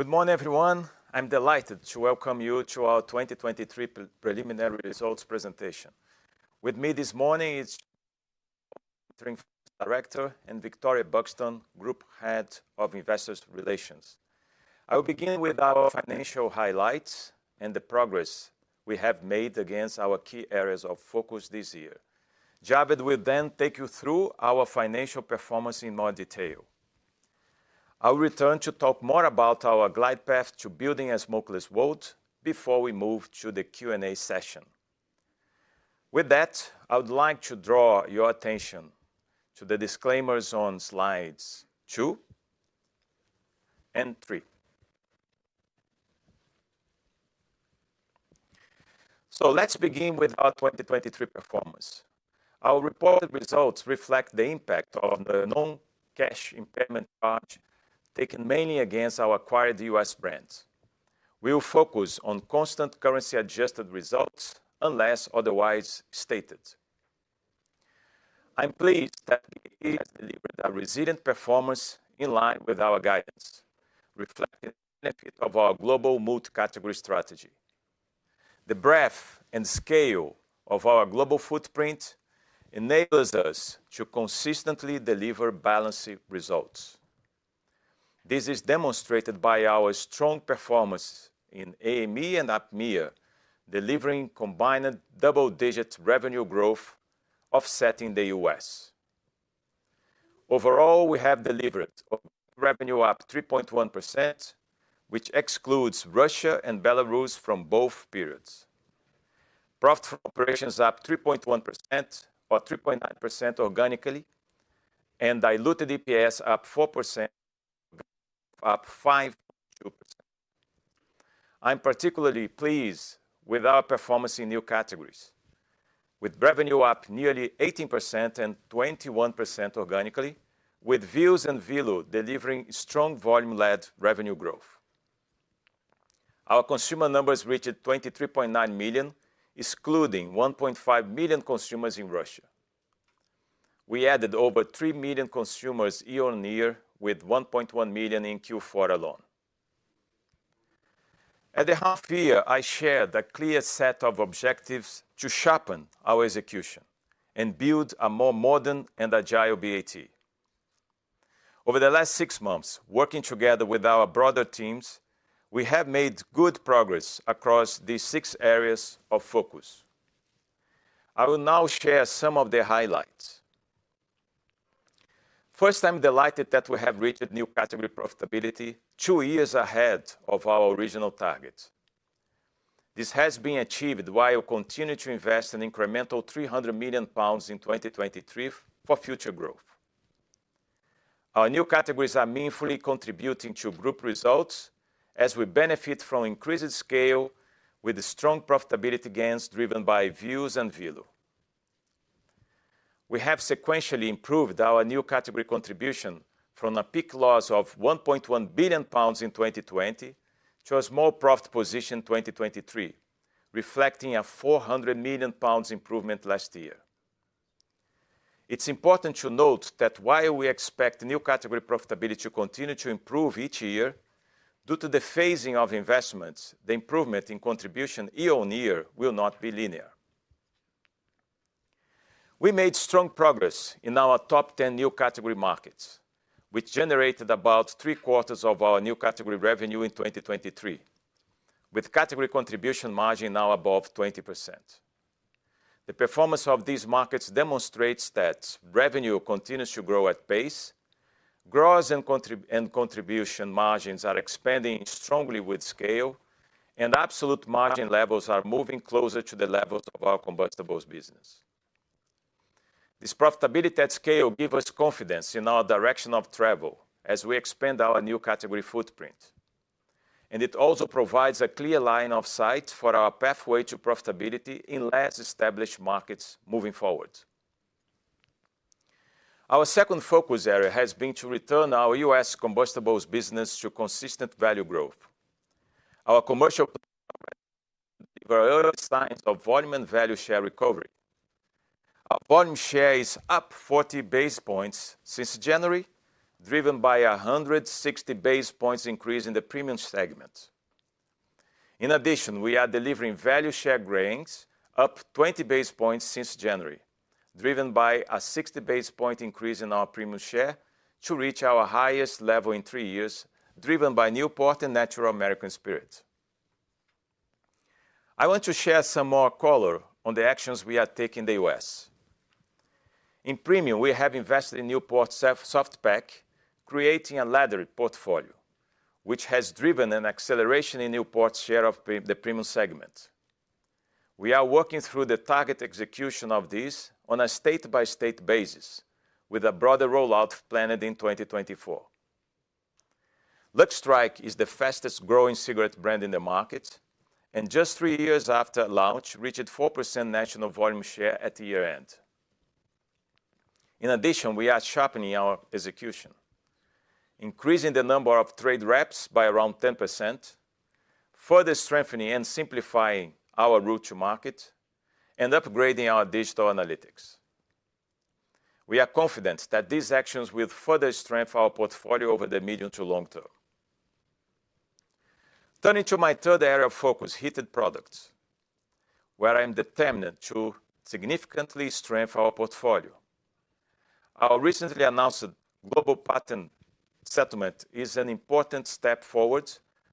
Good morning, everyone. I'm delighted to welcome you to our 2023 preliminary results presentation. With me this morning is Director, and Victoria Buxton, Group Head of Investor Relations. I will begin with our financial highlights and the progress we have made against our key areas of focus this year. Javed will then take you through our financial performance in more detail. I'll return to talk more about our glide path to building a smokeless world before we move to the Q&A session. With that, I would like to draw your attention to the disclaimers on slides two and three. So let's begin with our 2023 performance. Our reported results reflect the impact of the non-cash impairment charge, taken mainly against our acquired U.S. brands. We will focus on constant currency-adjusted results, unless otherwise stated. I'm pleased that we have delivered a resilient performance in line with our guidance, reflecting the benefit of our global multicategory strategy. The breadth and scale of our global footprint enables us to consistently deliver balanced results. This is demonstrated by our strong performance in AME and APMEA, delivering combined double-digit revenue growth, offsetting the U.S. Overall, we have delivered revenue up 3.1%, which excludes Russia and Belarus from both periods. Profit from operations up 3.1%, or 3.9% organically, and diluted EPS up 4%, up 5.2%. I'm particularly pleased with our performance in New Categories, with revenue up nearly 18% and 21% organically, with Vuse and Velo delivering strong volume-led revenue growth. Our consumer numbers reached 23.9 million, excluding 1.5 million consumers in Russia. We added over 3 million consumers year-on-year, with 1.1 million in Q4 alone. At the half year, I shared a clear set of objectives to sharpen our execution and build a more modern and agile BAT. Over the last six months, working together with our broader teams, we have made good progress across these six areas of focus. I will now share some of the highlights. First, I'm delighted that we have reached new category profitability two years ahead of our original target. This has been achieved while continuing to invest an incremental 300 million pounds in 2023 for future growth. Our new categories are meaningfully contributing to group results as we benefit from increased scale with strong profitability gains, driven by Vuse and Velo. We have sequentially improved our new category contribution from a peak loss of 1.1 billion pounds in 2020, to a small profit position in 2023, reflecting a 400 million pounds improvement last year. It's important to note that while we expect new category profitability to continue to improve each year, due to the phasing of investments, the improvement in contribution year-on-year will not be linear. We made strong progress in our top 10 new category markets, which generated about three-quarters of our new category revenue in 2023, with category contribution margin now above 20%. The performance of these markets demonstrates that revenue continues to grow at pace, gross and contribution margins are expanding strongly with scale, and absolute margin levels are moving closer to the levels of our combustibles business. This profitability at scale give us confidence in our direction of travel as we expand our new category footprint, and it also provides a clear line of sight for our pathway to profitability in less established markets moving forward. Our second focus area has been to return our U.S. combustibles business to consistent value growth. Our commercial signs of volume and value share recovery. Our volume share is up 40 basis points since January, driven by a 160 basis points increase in the premium segment. In addition, we are delivering value share gains, up 20 basis points since January, driven by a 60 basis point increase in our premium share to reach our highest level in three years, driven by Newport and Natural American Spirit. I want to share some more color on the actions we are taking in the U.S. In premium, we have invested in Newport Soft Pack, creating a laddered portfolio, which has driven an acceleration in Newport's share of the premium segment. We are working through the target execution of this on a state-by-state basis, with a broader rollout planned in 2024. Lucky Strike is the fastest-growing cigarette brand in the market, and just three years after launch, reached 4% national volume share at the year-end. In addition, we are sharpening our execution, increasing the number of trade reps by around 10%, further strengthening and simplifying our route to market, and upgrading our digital analytics. We are confident that these actions will further strengthen our portfolio over the medium to long term. Turning to my third area of focus, heated products, where I am determined to significantly strengthen our portfolio. Our recently announced global patent settlement is an important step forward,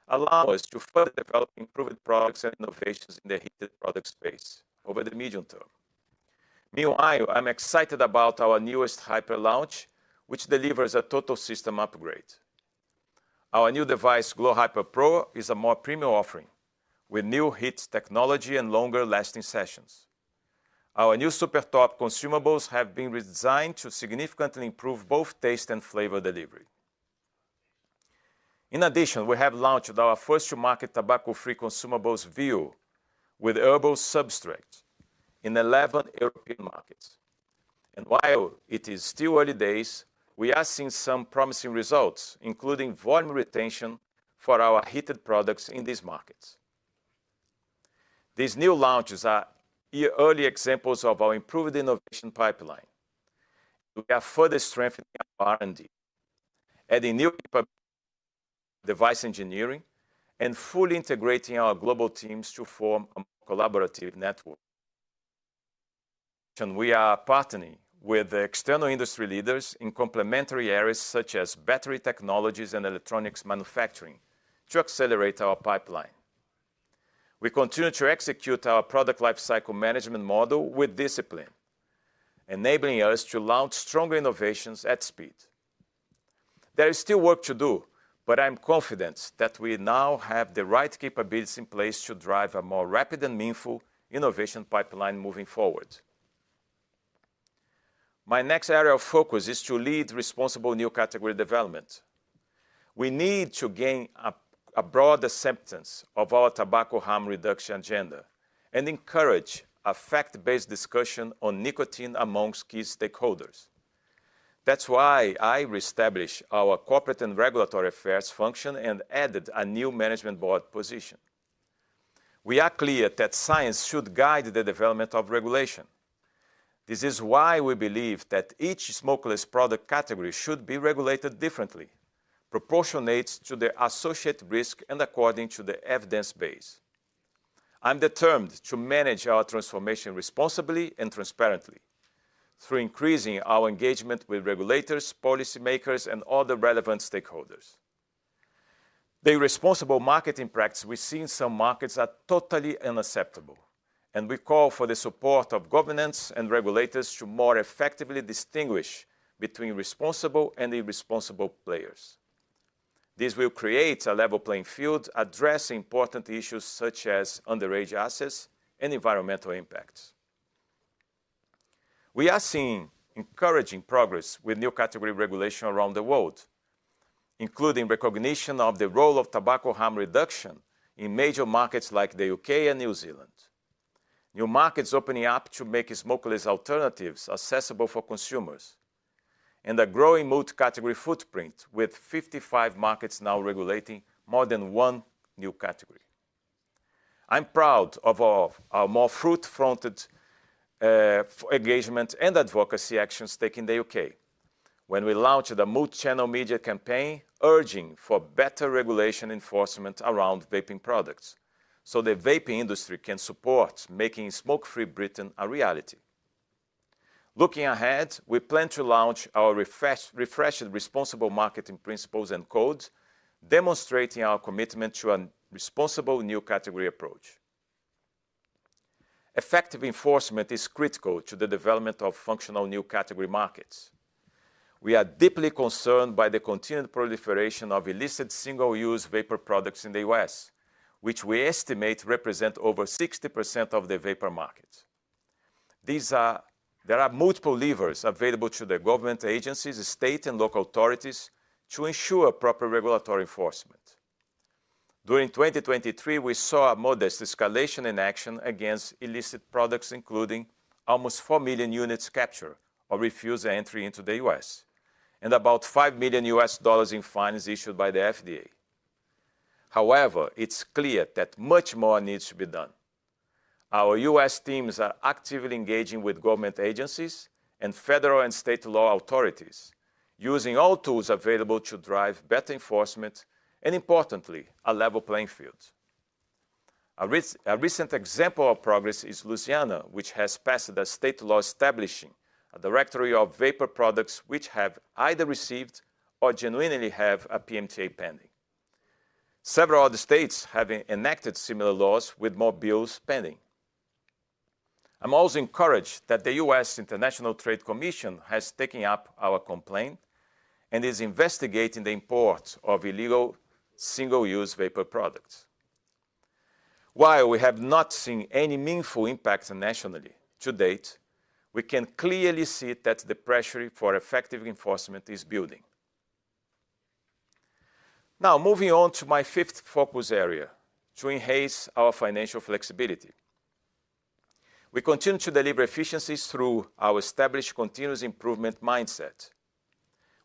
allowing us to further develop improved products and innovations in the heated product space over the medium term. Meanwhile, I'm excited about our newest Hyper launch, which delivers a total system upgrade. Our new device, glo Hyper Pro, is a more premium offering, with new heat technology and longer-lasting sessions. Our new Super Neo consumables have been redesigned to significantly improve both taste and flavor delivery. In addition, we have launched our first-to-market tobacco-free consumables, veo, with herbal substrate in 11 European markets. And while it is still early days, we are seeing some promising results, including volume retention for our heated products in these markets. These new launches are early examples of our improved innovation pipeline. We are further strengthening our R&D, adding new device engineering, and fully integrating our global teams to form a more collaborative network. We are partnering with external industry leaders in complementary areas, such as battery technologies and electronics manufacturing, to accelerate our pipeline. We continue to execute our product lifecycle management model with discipline, enabling us to launch stronger innovations at speed. There is still work to do, but I am confident that we now have the right capabilities in place to drive a more rapid and meaningful innovation pipeline moving forward. My next area of focus is to lead responsible new category development. We need to gain a broader acceptance of our tobacco harm reduction agenda and encourage a fact-based discussion on nicotine amongst key stakeholders. That's why I reestablished our corporate and regulatory affairs function and added a new management board position. We are clear that science should guide the development of regulation. This is why we believe that each smokeless product category should be regulated differently, proportionate to the associated risk and according to the evidence base. I'm determined to manage our transformation responsibly and transparently through increasing our engagement with regulators, policymakers, and other relevant stakeholders. The responsible marketing practices we see in some markets are totally unacceptable, and we call for the support of governments and regulators to more effectively distinguish between responsible and irresponsible players. This will create a level playing field, addressing important issues such as underage access and environmental impacts. We are seeing encouraging progress with new category regulation around the world, including recognition of the role of tobacco harm reduction in major markets like the U.K. and New Zealand, new markets opening up to make smokeless alternatives accessible for consumers, and a growing multi-category footprint, with 55 markets now regulating more than one new category. I'm proud of our more front-footed engagement and advocacy actions taken in the U.K. when we launched a multi-channel media campaign urging for better regulation enforcement around vaping products, so the vaping industry can support making smoke-free Britain a reality. Looking ahead, we plan to launch our refreshed responsible marketing principles and codes, demonstrating our commitment to a responsible new category approach. Effective enforcement is critical to the development of functional new category markets. We are deeply concerned by the continued proliferation of illicit single-use vapor products in the U.S., which we estimate represent over 60% of the vapor market. There are multiple levers available to the government agencies, state, and local authorities to ensure proper regulatory enforcement. During 2023, we saw a modest escalation in action against illicit products, including almost 4 million units captured or refused entry into the U.S., and about $5 million in fines issued by the FDA. However, it's clear that much more needs to be done. Our U.S. teams are actively engaging with government agencies and federal and state law authorities, using all tools available to drive better enforcement and, importantly, a level playing field. A recent example of progress is Louisiana, which has passed a state law establishing a directory of vapor products which have either received or genuinely have a PMTA pending. Several other states have enacted similar laws, with more bills pending. I'm also encouraged that the U.S. International Trade Commission has taken up our complaint and is investigating the imports of illegal single-use vapor products. While we have not seen any meaningful impact nationally to date, we can clearly see that the pressure for effective enforcement is building. Now, moving on to my fifth focus area, to enhance our financial flexibility. We continue to deliver efficiencies through our established continuous improvement mindset.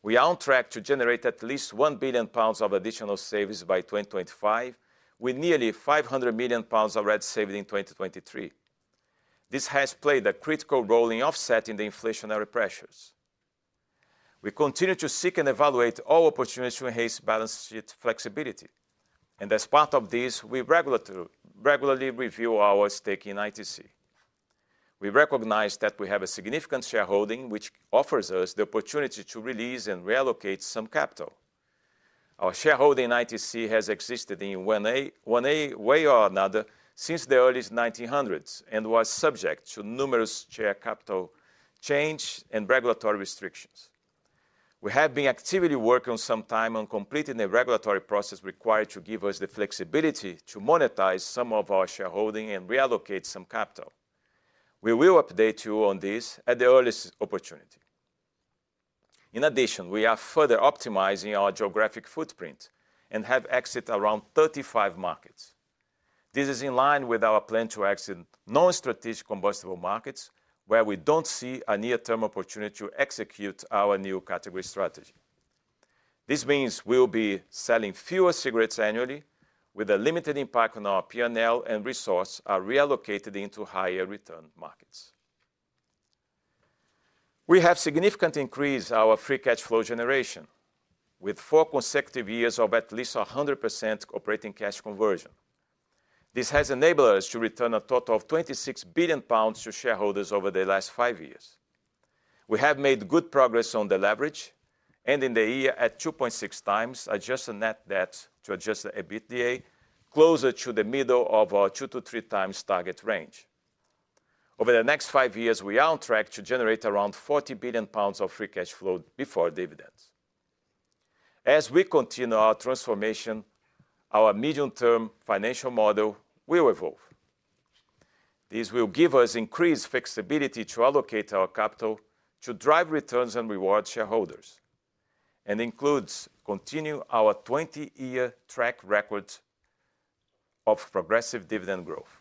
We are on track to generate at least 1 billion pounds of additional savings by 2025, with nearly 500 million pounds already saved in 2023. This has played a critical role in offsetting the inflationary pressures. We continue to seek and evaluate all opportunities to enhance balance sheet flexibility, and as part of this, we regularly review our stake in ITC. We recognize that we have a significant shareholding, which offers us the opportunity to release and reallocate some capital. Our shareholding in ITC has existed in one way or another since the early 1900s and was subject to numerous share capital change and regulatory restrictions. We have been actively working for some time on completing the regulatory process required to give us the flexibility to monetize some of our shareholding and reallocate some capital. We will update you on this at the earliest opportunity. In addition, we are further optimizing our geographic footprint and have exited around 35 markets. This is in line with our plan to exit non-strategic combustible markets, where we don't see a near-term opportunity to execute our new category strategy. This means we'll be selling fewer cigarettes annually, with a limited impact on our P&L and resources are reallocated into higher return markets. We have significantly increased our free cash flow generation, with four consecutive years of at least 100% operating cash conversion. This has enabled us to return a total of 26 billion pounds to shareholders over the last five years. We have made good progress on the leverage, ending the year at 2.6x, adjusted net debt to adjusted EBITDA, closer to the middle of our 2x-3x target range. Over the next five years, we are on track to generate around 40 billion pounds of free cash flow before dividends. As we continue our transformation, our medium-term financial model will evolve. This will give us increased flexibility to allocate our capital to drive returns and reward shareholders, and includes continue our 20-year track record of progressive dividend growth.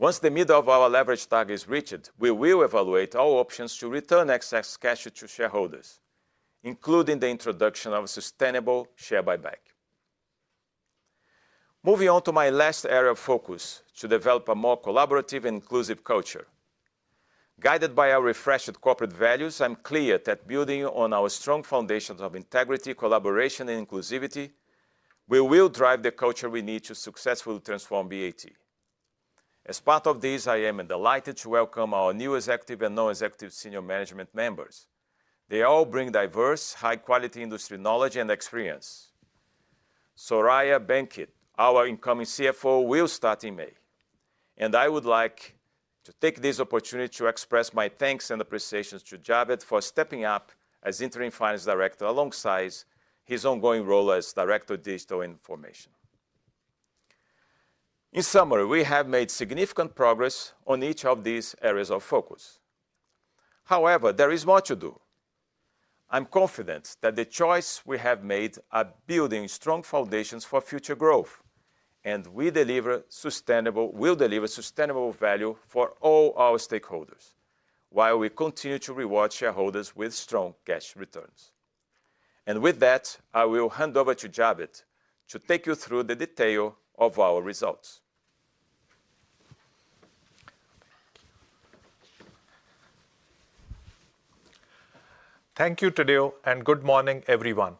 Once the middle of our leverage target is reached, we will evaluate our options to return excess cash to shareholders, including the introduction of a sustainable share buyback. Moving on to my last area of focus, to develop a more collaborative and inclusive culture. Guided by our refreshed corporate values, I'm clear that building on our strong foundations of integrity, collaboration, and inclusivity, we will drive the culture we need to successfully transform BAT. As part of this, I am delighted to welcome our new executive and non-executive senior management members. They all bring diverse, high-quality industry knowledge and experience. Soraya Benchikh, our incoming CFO, will start in May, and I would like to take this opportunity to express my thanks and appreciation to Javed for stepping up as interim finance director, alongside his ongoing role as Director of Digital and Information. In summary, we have made significant progress on each of these areas of focus. However, there is more to do. I'm confident that the choices we have made are building strong foundations for future growth, and we deliver sustainable- will deliver sustainable value for all our stakeholders, while we continue to reward shareholders with strong cash returns. With that, I will hand over to Javed to take you through the detail of our results. Thank you, Tadeu, and good morning, everyone.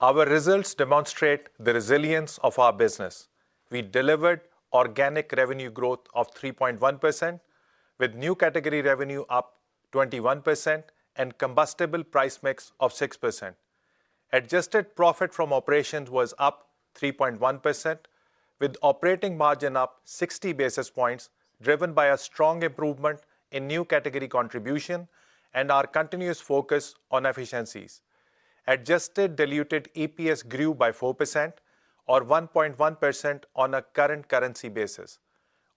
Our results demonstrate the resilience of our business. We delivered organic revenue growth of 3.1%, with new category revenue up 21% and combustible price mix of 6%. Adjusted Profit from Operations was up 3.1%, with operating margin up 60 basis points, driven by a strong improvement in new category contribution and our continuous focus on efficiencies. Adjusted Diluted EPS grew by 4% or 1.1% on a current currency basis.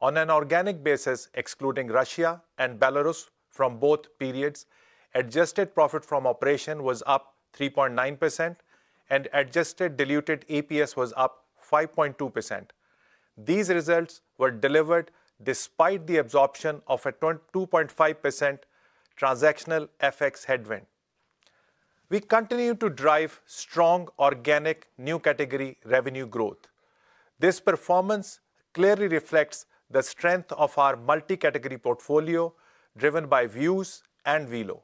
On an organic basis, excluding Russia and Belarus from both periods, adjusted profit from operation was up 3.9% and Adjusted Diluted EPS was up 5.2%. These results were delivered despite the absorption of a 2.5% transactional FX headwind. We continue to drive strong organic new category revenue growth. This performance clearly reflects the strength of our multi-category portfolio, driven by Vuse and Velo.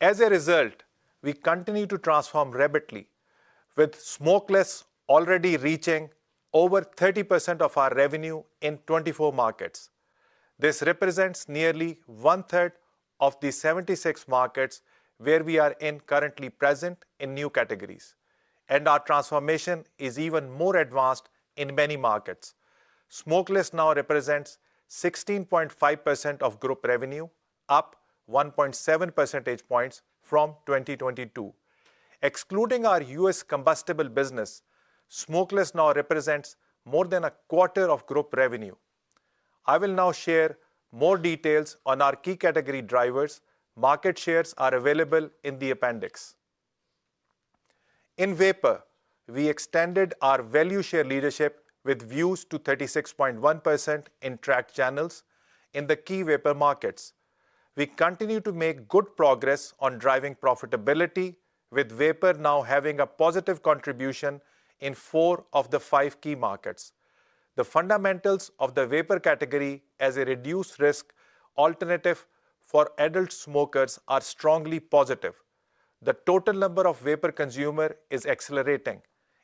As a result, we continue to transform rapidly, with smokeless already reaching over 30% of our revenue in 24 markets. This represents nearly one third of the 76 markets where we are currently present in new categories, and our transformation is even more advanced in many markets. Smokeless now represents 16.5% of group revenue, up 1.7 percentage points from 2022. Excluding our U.S. combustible business, smokeless now represents more than a quarter of group revenue. I will now share more details on our key category drivers. Market shares are available in the appendix. In vapor, we extended our value share leadership with Vuse to 36.1% in track channels in the key vapor markets. We continue to make good progress on driving profitability, with vapor now having a positive contribution in four of the five key markets. The fundamentals of the vapor category as a reduced risk alternative for adult smokers are strongly positive. The total number of vapor consumer is accelerating,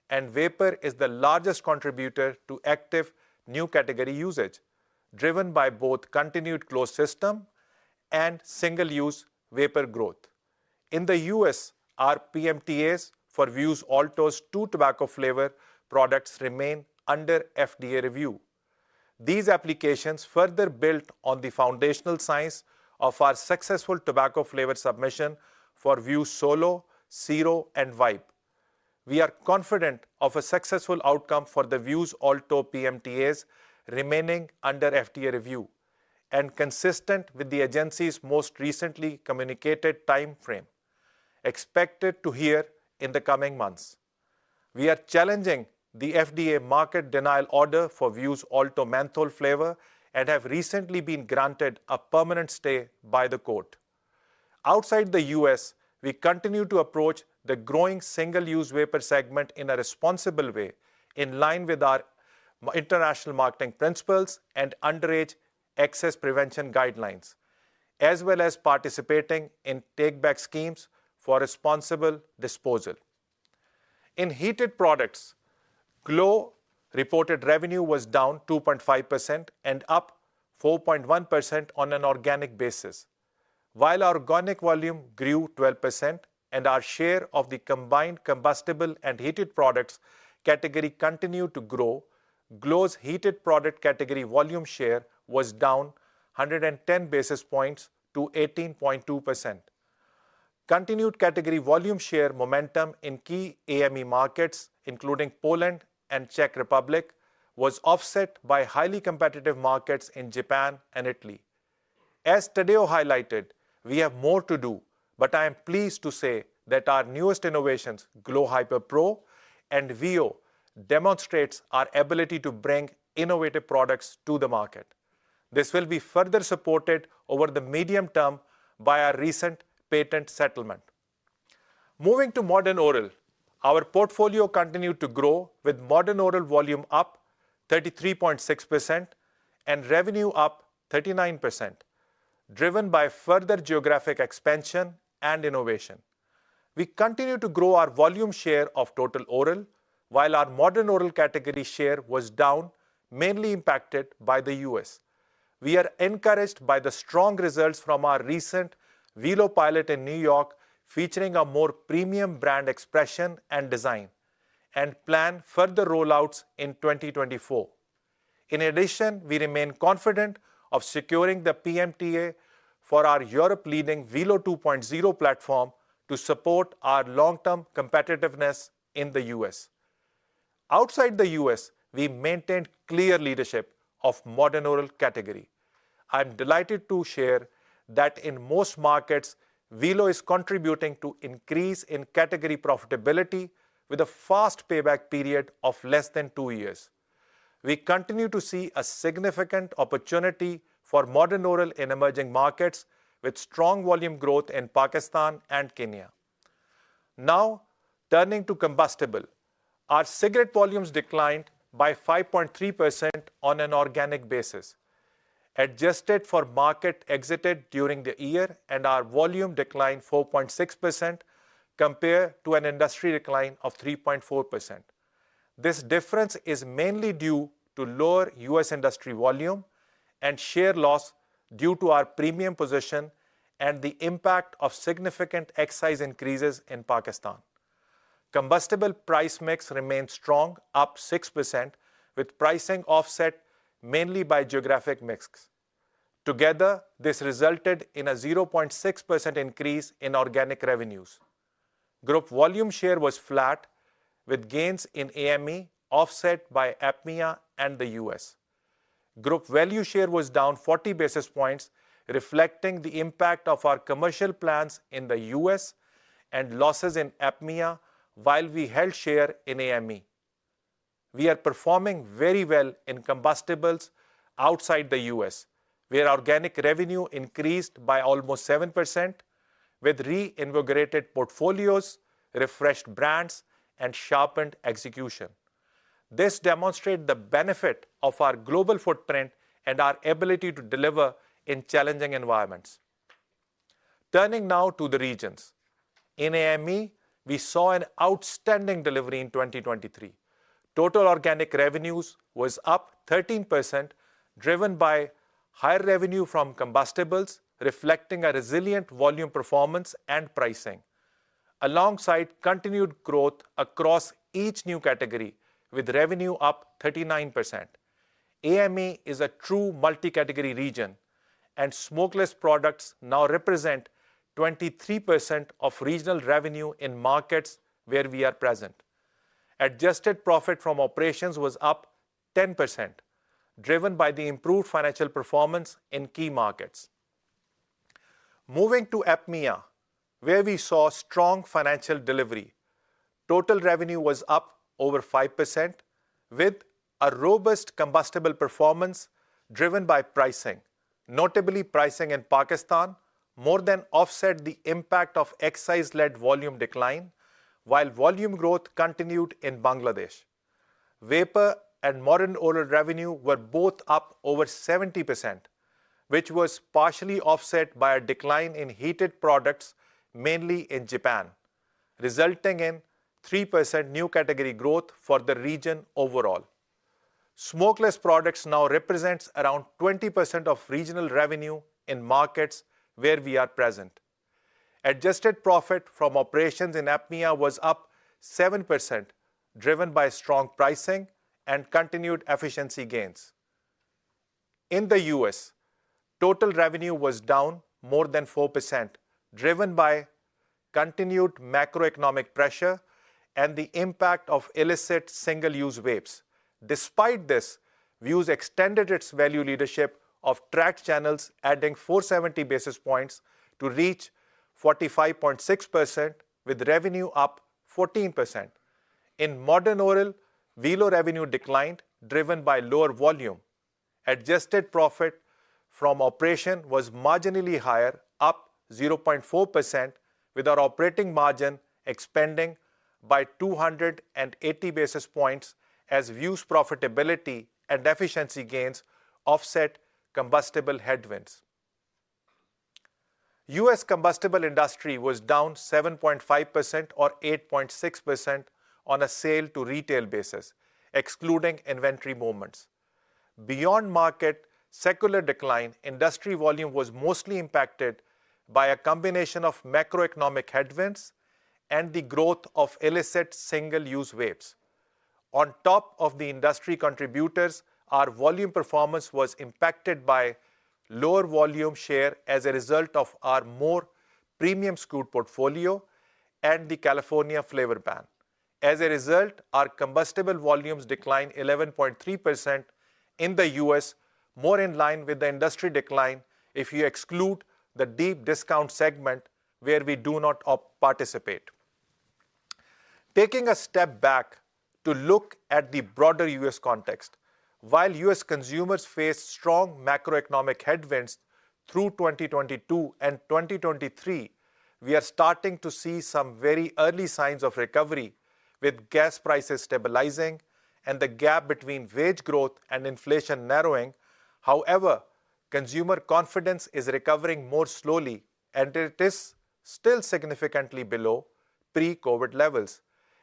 and vapor is the largest contributor to active new category usage, driven by both continued closed system and single-use vapor growth. In the U.S., our PMTAs for Vuse Alto's two tobacco flavor products remain under FDA review. These applications further build on the foundational science of our successful tobacco flavor submission for Vuse Solo, Ciro, and Vibe. We are confident of a successful outcome for the Vuse Alto PMTAs remaining under FDA review and consistent with the agency's most recently communicated timeframe, expected to hear in the coming months. We are challenging the FDA market denial order for Vuse Alto menthol flavor and have recently been granted a permanent stay by the court. Outside the U.S., we continue to approach the growing single-use vapor segment in a responsible way, in line with our international marketing principles and underage access prevention guidelines, as well as participating in take-back schemes for responsible disposal. In heated products, Glo reported revenue was down 2.5% and up 4.1% on an organic basis. While our organic volume grew 12% and our share of the combined combustible and heated products category continued to grow, Glo's heated product category volume share was down 110 basis points to 18.2%. Continued category volume share momentum in key AME markets, including Poland and Czech Republic, was offset by highly competitive markets in Japan and Italy. As Tadeu highlighted, we have more to do, but I am pleased to say that our newest innovations, glo Hyper Pro and Velo, demonstrates our ability to bring innovative products to the market. This will be further supported over the medium term by our recent patent settlement. Moving to Modern Oral, our portfolio continued to grow, with Modern Oral volume up 33.6% and revenue up 39%, driven by further geographic expansion and innovation. We continue to grow our volume share of total oral, while our Modern Oral category share was down, mainly impacted by the U.S. We are encouraged by the strong results from our recent Velo pilot in New York, featuring a more premium brand expression and design, and plan further rollouts in 2024. In addition, we remain confident of securing the PMTA for our Europe-leading Velo 2.0 platform to support our long-term competitiveness in the U.S. Outside the U.S., we maintained clear leadership of Modern Oral category. I'm delighted to share that in most markets, Velo is contributing to increase in category profitability with a fast payback period of less than 2 years. We continue to see a significant opportunity for Modern Oral in emerging markets, with strong volume growth in Pakistan and Kenya. Now, turning to combustibles. Our cigarette volumes declined by 5.3% on an organic basis, adjusted for market exited during the year, and our volume declined 4.6% compared to an industry decline of 3.4%. This difference is mainly due to lower U.S. industry volume and share loss due to our premium position and the impact of significant excise increases in Pakistan. Combustibles price mix remains strong, up 6%, with pricing offset mainly by geographic mix. Together, this resulted in a 0.6% increase in organic revenues. Group volume share was flat, with gains in AME offset by APMEA and the U.S. Group value share was down 40 basis points, reflecting the impact of our commercial plans in the U.S. and losses in APMEA, while we held share in AME. We are performing very well in combustibles outside the U.S., where organic revenue increased by almost 7%, with reinvigorated portfolios, refreshed brands, and sharpened execution. This demonstrate the benefit of our global footprint and our ability to deliver in challenging environments. Turning now to the regions. In AME, we saw an outstanding delivery in 2023. Total organic revenues was up 13%, driven by higher revenue from combustibles, reflecting a resilient volume performance and pricing, alongside continued growth across each new category, with revenue up 39%. AME is a true multi-category region, and smokeless products now represent 23% of regional revenue in markets where we are present. Adjusted profit from operations was up 10%, driven by the improved financial performance in key markets.... Moving to APMEA, where we saw strong financial delivery. Total revenue was up over 5%, with a robust combustible performance driven by pricing. Notably, pricing in Pakistan more than offset the impact of excise-led volume decline, while volume growth continued in Bangladesh. Vapor and modern oral revenue were both up over 70%, which was partially offset by a decline in heated products, mainly in Japan, resulting in 3% new category growth for the region overall. Smokeless products now represents around 20% of regional revenue in markets where we are present. Adjusted profit from operations in APMEA was up 7%, driven by strong pricing and continued efficiency gains. In the U.S., total revenue was down more than 4%, driven by continued macroeconomic pressure and the impact of illicit single-use vapes. Despite this, Vuse extended its value leadership of track channels, adding 470 basis points to reach 45.6% with revenue up 14%. In modern oral, Velo revenue declined, driven by lower volume. Adjusted profit from operations was marginally higher, up 0.4%, with our operating margin expanding by 280 basis points as Vuse profitability and efficiency gains offset combustibles headwinds. U.S. combustibles industry was down 7.5% or 8.6% on a sale-to-retail basis, excluding inventory movements. Beyond market, secular decline, industry volume was mostly impacted by a combination of macroeconomic headwinds and the growth of illicit single-use vapes. On top of the industry contributors, our volume performance was impacted by lower volume share as a result of our more premium SKU portfolio and the California flavor ban. As a result, our combustibles volumes declined 11.3% in the U.S., more in line with the industry decline if you exclude the deep discount segment where we do not participate. Taking a step back to look at the broader U.S. context, while U.S. consumers face strong macroeconomic headwinds through 2022 and 2023, we are starting to see some very early signs of recovery, with gas prices stabilizing and the gap between wage growth and inflation narrowing. However, consumer confidence is recovering more slowly, and it is still significantly below pre-COVID levels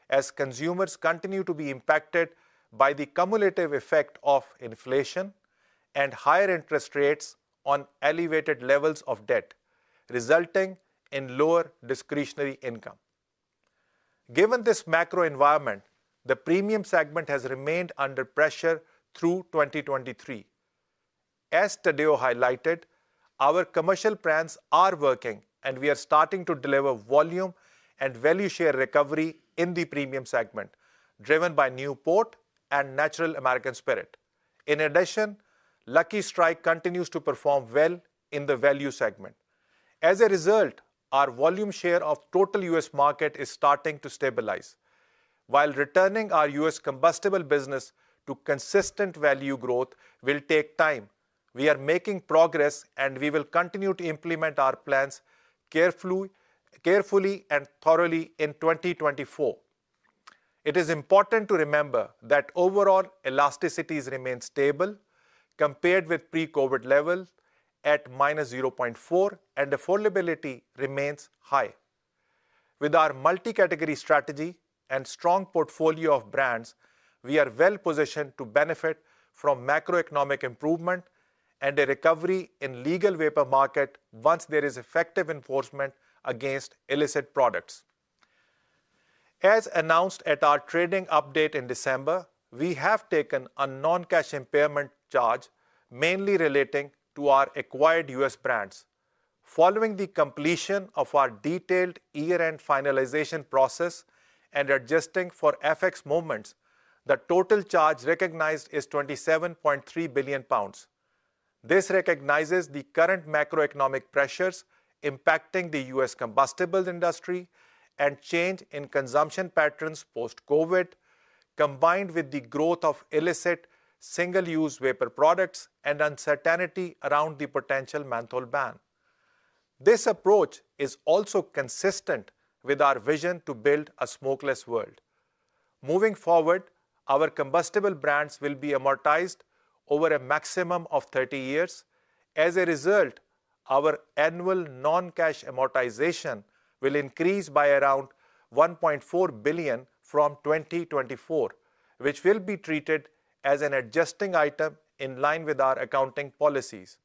as consumers continue to be impacted by the cumulative effect of inflation and higher interest rates on elevated levels of debt, resulting in lower discretionary income. Given this macro environment, the Premium Segment has remained under pressure through 2023. As Tadeu highlighted, our commercial plans are working, and we are starting to deliver volume and value share recovery in the Premium Segment, driven by Newport and Natural American Spirit. In addition, Lucky Strike continues to perform well in the Value Segment. As a result, our volume share of total U.S. market is starting to stabilize. While returning our U.S. combustible business to consistent value growth will take time, we are making progress, and we will continue to implement our plans carefully and thoroughly in 2024. It is important to remember that overall elasticities remain stable compared with pre-COVID levels at -0.4, and affordability remains high. With our multi-category strategy and strong portfolio of brands, we are well positioned to benefit from macroeconomic improvement and a recovery in legal vapor market once there is effective enforcement against illicit products. As announced at our trading update in December, we have taken a non-cash impairment charge, mainly relating to our acquired U.S. brands. Following the completion of our detailed year-end finalization process and adjusting for FX movements, the total charge recognized is 27.3 billion pounds. This recognizes the current macroeconomic pressures impacting the U.S. combustibles industry and change in consumption patterns post-COVID, combined with the growth of illicit single-use vapor products and uncertainty around the potential menthol ban. This approach is also consistent with our vision to build a smokeless world. Moving forward, our combustibles brands will be amortized over a maximum of 30 years. As a result, our annual non-cash amortization will increase by around 1.4 billion from 2024, which will be treated as an adjusting item in line with our accounting policies.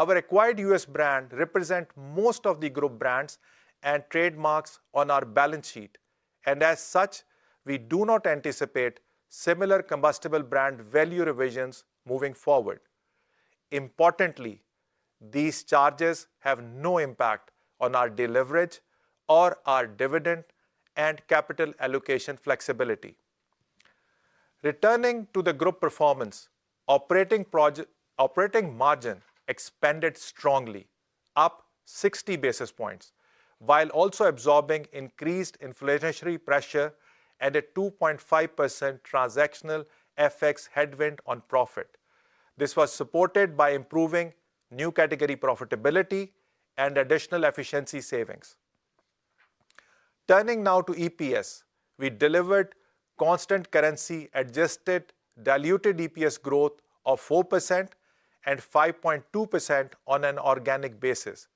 Our acquired U.S. brands represent most of the group brands and trademarks on our balance sheet, and as such, we do not anticipate similar combustibles brand value revisions moving forward. Importantly, these charges have no impact on our leverage or our dividend and capital allocation flexibility.... Returning to the group performance, operating margin expanded strongly, up 60 basis points, while also absorbing increased inflationary pressure and a 2.5% transactional FX headwind on profit. This was supported by improving new category profitability and additional efficiency savings. Turning now to EPS, we delivered constant currency adjusted diluted EPS growth of 4% and 5.2% on an organic basis.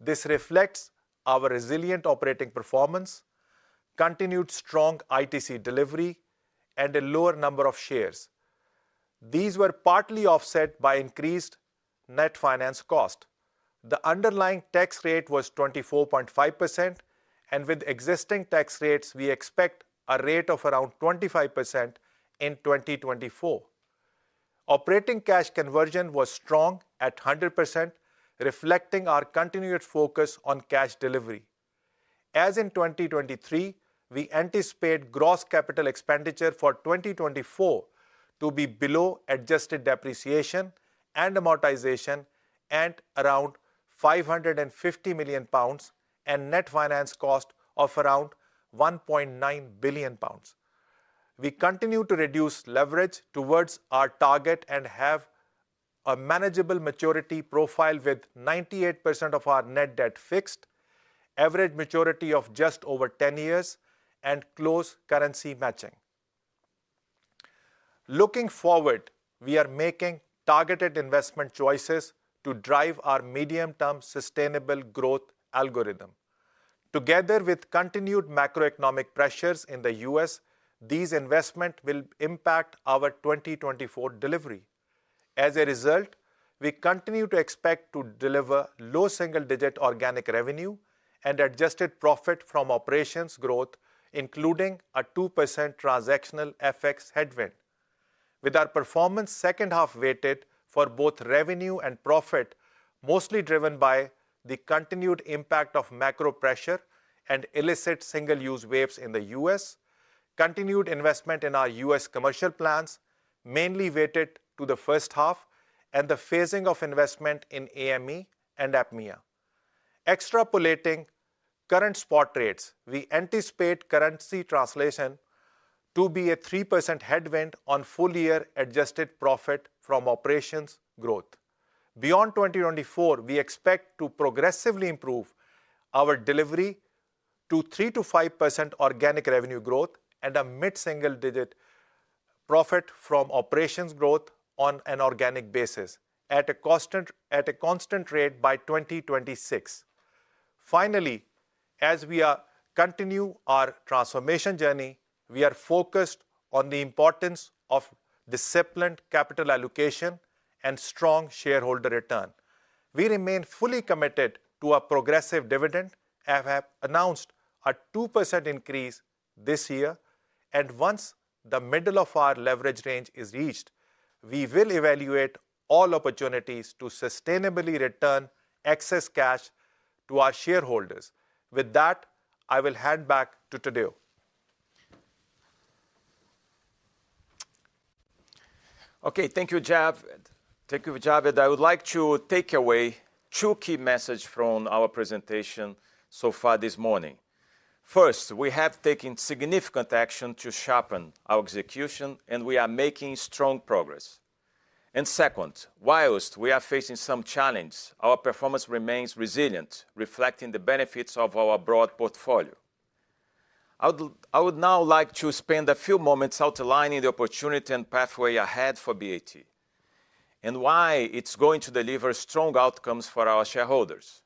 This reflects our resilient operating performance, continued strong ITC delivery, and a lower number of shares. These were partly offset by increased net finance cost. The underlying tax rate was 24.5%, and with existing tax rates, we expect a rate of around 25% in 2024. Operating cash conversion was strong at 100%, reflecting our continued focus on cash delivery. As in 2023, we anticipate gross capital expenditure for 2024 to be below adjusted depreciation and amortization, and around 550 million pounds, and net finance cost of around 1.9 billion pounds. We continue to reduce leverage towards our target and have a manageable maturity profile, with 98% of our net debt fixed, average maturity of just over 10 years, and close currency matching. Looking forward, we are making targeted investment choices to drive our medium-term sustainable growth algorithm. Together with continued macroeconomic pressures in the U.S., these investment will impact our 2024 delivery. As a result, we continue to expect to deliver low single-digit organic revenue and adjusted profit from operations growth, including a 2% transactional FX headwind. With our performance second half weighted for both revenue and profit, mostly driven by the continued impact of macro pressure and illicit single-use vapes in the U.S., continued investment in our U.S. commercial plans, mainly weighted to the first half, and the phasing of investment in AME and APMEA. Extrapolating current spot rates, we anticipate currency translation to be a 3% headwind on full-year adjusted profit from operations growth. Beyond 2024, we expect to progressively improve our delivery to 3%-5% organic revenue growth and a mid-single-digit profit from operations growth on an organic basis at a constant, at a constant rate by 2026. Finally, as we are continue our transformation journey, we are focused on the importance of disciplined capital allocation and strong shareholder return. We remain fully committed to a progressive dividend and have announced a 2% increase this year, and once the middle of our leverage range is reached, we will evaluate all opportunities to sustainably return excess cash to our shareholders. With that, I will hand back to Tadeu. Okay, thank you, Javed. Thank you, Javed. I would like to take away two key message from our presentation so far this morning. First, we have taken significant action to sharpen our execution, and we are making strong progress. Second, while we are facing some challenge, our performance remains resilient, reflecting the benefits of our broad portfolio. I would now like to spend a few moments outlining the opportunity and pathway ahead for BAT, and why it's going to deliver strong outcomes for our shareholders.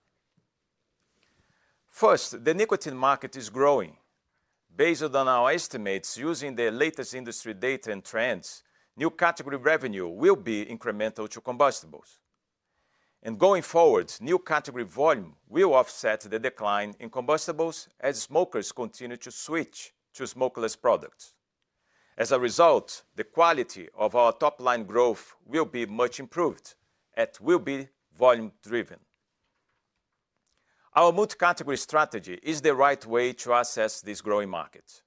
First, the nicotine market is growing. Based on our estimates, using the latest industry data and trends, new category revenue will be incremental to combustibles. Going forward, new category volume will offset the decline in combustibles as smokers continue to switch to smokeless products. As a result, the quality of our top-line growth will be much improved and will be volume-driven. Our multi-category strategy is the right way to access this growing market.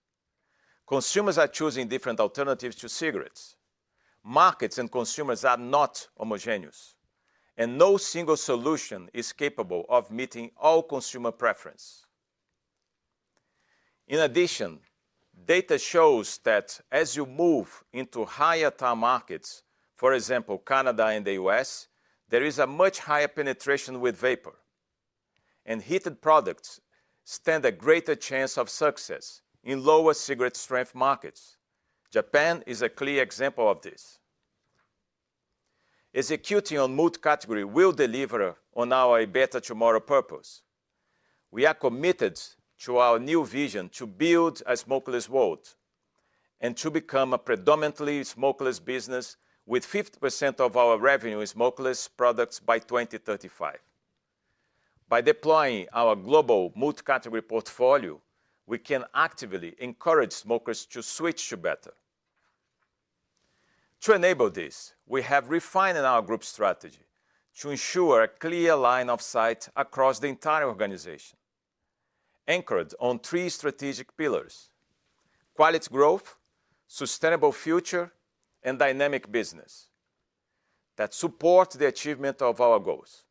Consumers are choosing different alternatives to cigarettes. Markets and consumers are not homogeneous, and no single solution is capable of meeting all consumer preference. In addition, data shows that as you move into higher-tier markets, for example, Canada and the U.S., there is a much higher penetration with vapor, and heated products stand a greater chance of success in lower cigarette strength markets. Japan is a clear example of this. Execution on multi-category will deliver on our A Better Tomorrow purpose. We are committed to our new vision to build a smokeless world and to become a predominantly smokeless business, with 50% of our revenue in smokeless products by 2035. By deploying our global multi-category portfolio, we can actively encourage smokers to switch to better. To enable this, we have refined our group strategy to ensure a clear line of sight across the entire organization, anchored on three strategic pillars: quality growth, sustainable future, and dynamic business that support the achievement of our goals.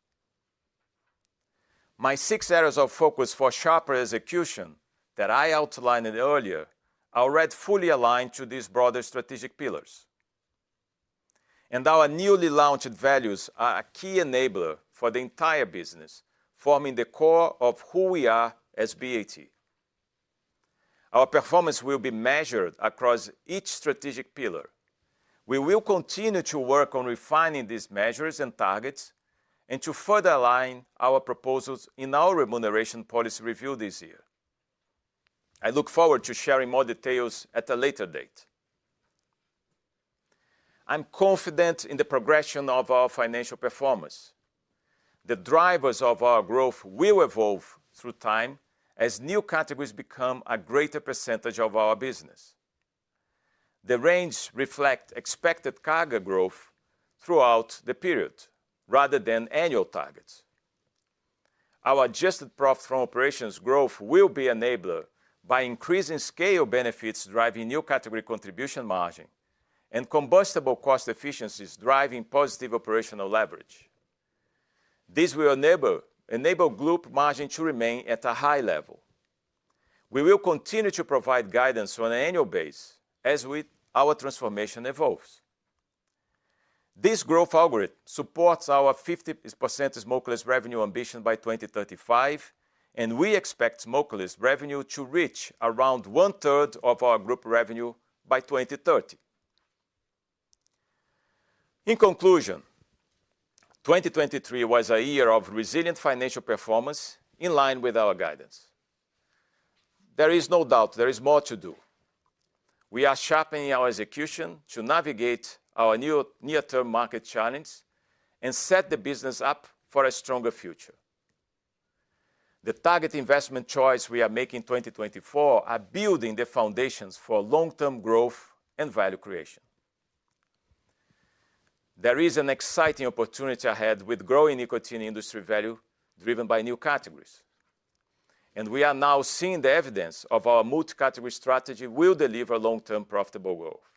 My six areas of focus for sharper execution that I outlined earlier are already fully aligned to these broader strategic pillars. Our newly launched values are a key enabler for the entire business, forming the core of who we are as BAT. Our performance will be measured across each strategic pillar. We will continue to work on refining these measures and targets, and to further align our proposals in our remuneration policy review this year. I look forward to sharing more details at a later date. I'm confident in the progression of our financial performance. The drivers of our growth will evolve through time as new categories become a greater percentage of our business. The range reflects expected CAGR growth throughout the period rather than annual targets. Our adjusted profit from operations growth will be enabled by increasing scale benefits, driving new category contribution margin, and combustible cost efficiencies, driving positive operational leverage. This will enable group margin to remain at a high level. We will continue to provide guidance on an annual basis as our transformation evolves. This growth algorithm supports our 50% smokeless revenue ambition by 2035, and we expect smokeless revenue to reach around one third of our group revenue by 2030. In conclusion, 2023 was a year of resilient financial performance in line with our guidance. There is no doubt there is more to do. We are sharpening our execution to navigate our new near-term market challenge and set the business up for a stronger future. The target investment choice we are making in 2024 are building the foundations for long-term growth and value creation. There is an exciting opportunity ahead with growing nicotine industry value driven by new categories, and we are now seeing the evidence of our multi-category strategy will deliver long-term profitable growth.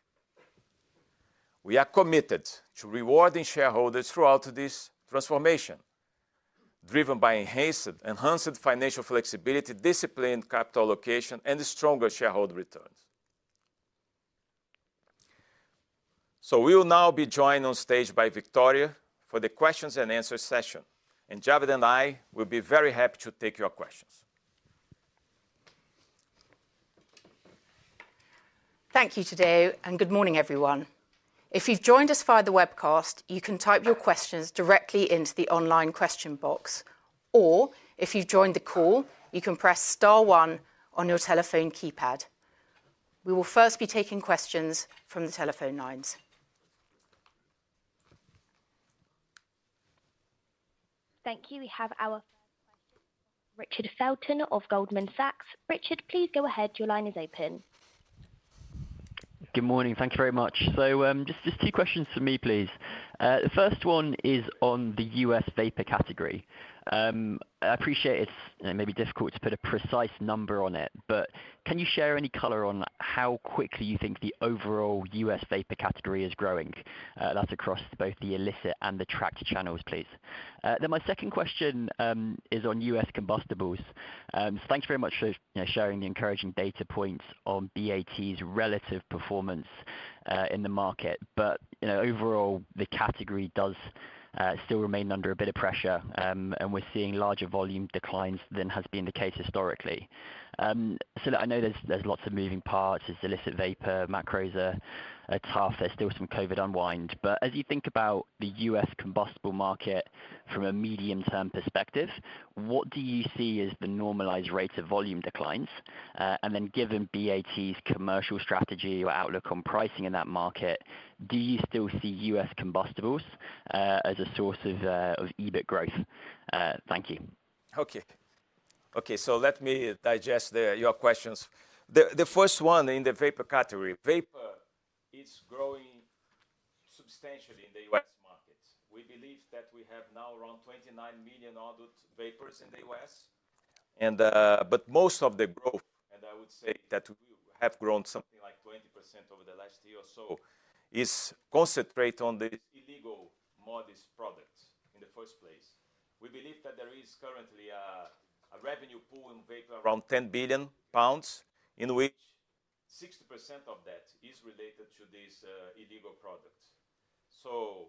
We are committed to rewarding shareholders throughout this transformation, driven by enhanced, enhanced financial flexibility, disciplined capital allocation, and stronger shareholder returns. So we will now be joined on stage by Victoria for the questions and answer session, and Javed and I will be very happy to take your questions. Thank you Tadeu, and good morning, everyone. If you've joined us via the webcast, you can type your questions directly into the online question box, or if you've joined the call, you can press star one on your telephone keypad. We will first be taking questions from the telephone lines. Thank you. We have our first question, Richard Felton of Goldman Sachs. Richard, please go ahead. Your line is open. Good morning. Thank you very much. So, just two questions for me, please. The first one is on the U.S. vapor category. I appreciate it's, you know, maybe difficult to put a precise number on it, but can you share any color on how quickly you think the overall U.S. vapor category is growing? That's across both the illicit and the tracked channels, please. Then my second question is on U.S. combustibles. Thanks very much for, you know, sharing the encouraging data points on BAT's relative performance in the market. But, you know, overall, the category does still remain under a bit of pressure, and we're seeing larger volume declines than has been the case historically. So I know there's lots of moving parts. There's illicit vapor, macros are tough. There's still some COVID unwind. But as you think about the U.S. combustible market from a medium-term perspective, what do you see as the normalized rates of volume declines? And then given BAT's commercial strategy or outlook on pricing in that market, do you still see U.S. combustibles as a source of of EBIT growth? Thank you. Okay. Okay, so let me digest the... your questions. The first one in the vapor category. Vapor is growing substantially in the U.S. market. We believe that we have now around 29 million adult vapers in the U.S., and but most of the growth, and I would say that we have grown something like 20% over the last year or so, is concentrate on the illegal disposable products in the first place. We believe that there is currently a revenue pool in vapor, around 10 billion pounds, in which 60% of that is related to these illegal products. So,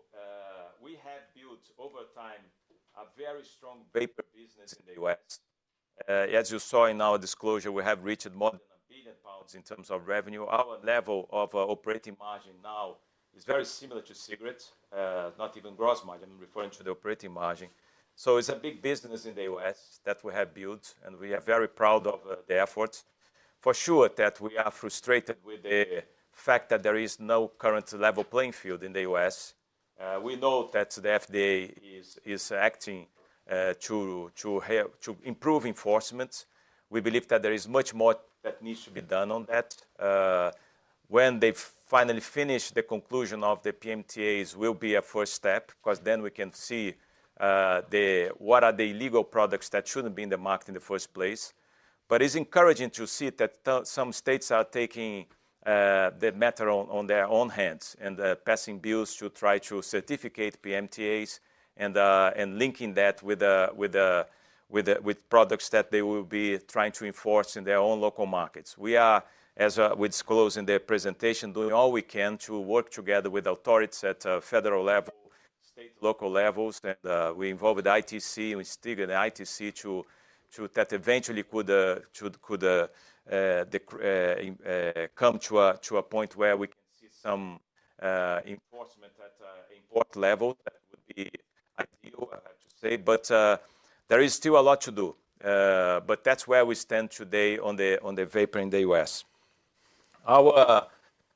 we have built, over time, a very strong vapor business in the U.S. As you saw in our disclosure, we have reached more than 1 billion pounds in terms of revenue. Our level of, operating margin now is very similar to cigarettes, not even gross margin, I'm referring to the operating margin. So it's a big business in the U.S. that we have built, and we are very proud of the efforts. For sure, that we are frustrated with the fact that there is no current level playing field in the U.S. We know that the FDA is, is acting, to, to help, to improve enforcement. We believe that there is much more that needs to be done on that, when they've finally finished the conclusion of the PMTAs will be a first step, 'cause then we can see, the what are the illegal products that shouldn't be in the market in the first place. But it's encouraging to see that some states are taking the matter into their own hands and passing bills to try to certify PMTAs and linking that with products that they will be trying to enforce in their own local markets. We are, as we disclose in the presentation, doing all we can to work together with authorities at a federal level, state, local levels, and we are involved with ITC, and we are still in the ITC so that eventually could, should, come to a point where we can see some enforcement at an import level. That would be ideal, I have to say. But there is still a lot to do. But that's where we stand today on the, on the vapor in the U.S. Our,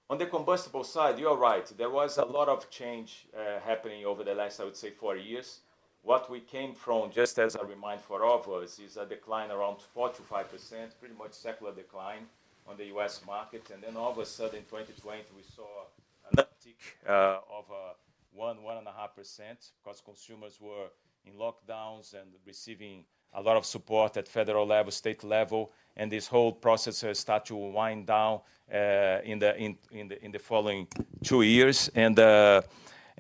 on the combustible side, you are right, there was a lot of change, happening over the last, I would say, four years. What we came from, just as a reminder for all of us, is a decline around 4%-5%, pretty much secular decline on the U.S. market, and then all of a sudden, in 2020, we saw another tick, of, one and a half percent, 'cause consumers were in lockdowns and receiving a lot of support at federal level, state level, and this whole process start to wind down, in the following two years.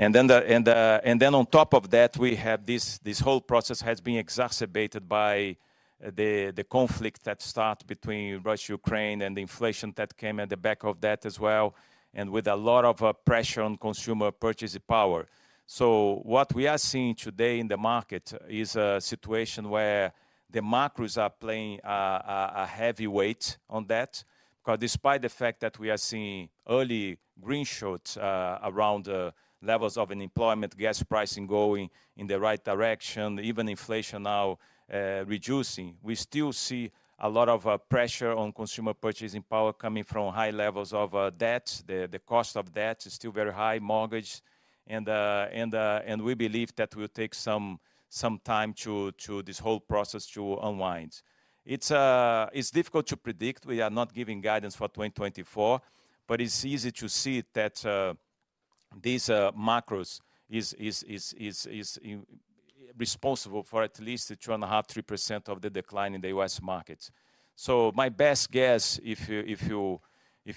And then the... And, and then on top of that, we had this, this whole process has been exacerbated by the, the conflict that start between Russia, Ukraine, and the inflation that came at the back of that as well, and with a lot of pressure on consumer purchasing power. So what we are seeing today in the market is a situation where the macros are playing a heavy weight on that, because despite the fact that we are seeing early green shoots around levels of unemployment, gas pricing going in the right direction, even inflation now reducing, we still see a lot of pressure on consumer purchasing power coming from high levels of debt. The cost of debt is still very high, mortgage, and we believe that will take some time to this whole process to unwind. It's difficult to predict. We are not giving guidance for 2024, but it's easy to see that these macros is responsible for at least the 2.5%-3% of the decline in the U.S. market. So my best guess, if you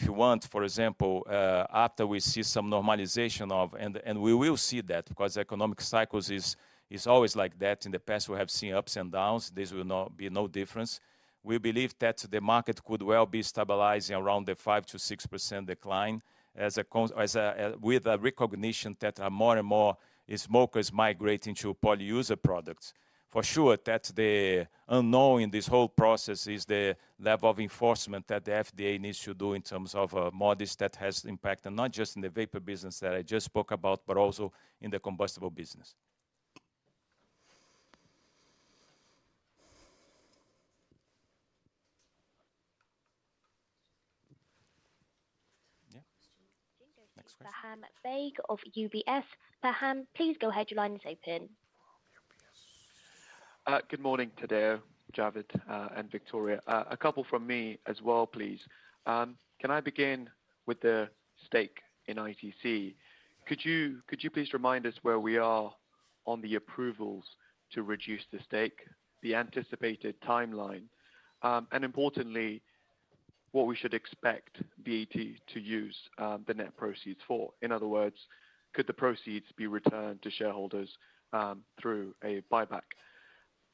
want, for example, after we see some normalization of... And we will see that, because economic cycles is always like that. In the past, we have seen ups and downs, this will not be no difference. We believe that the market could well be stabilizing around the 5%-6% decline, as a, with a recognition that more and more smokers migrating to poly user products. For sure, that's the unknown in this whole process, is the level of enforcement that the FDA needs to do in terms of modis that has impact, and not just in the vapor business that I just spoke about, but also in the combustible business. Yeah. Next question. Faham Baig of UBS. Faham, please go ahead. Your line is open. Good morning, Tadeu, Javed, and Victoria. A couple from me as well, please. Can I begin with the stake in ITC? Could you, could you please remind us where we are on the approvals to reduce the stake, the anticipated timeline, and importantly, what we should expect BAT to use the net proceeds for? In other words, could the proceeds be returned to shareholders through a buyback?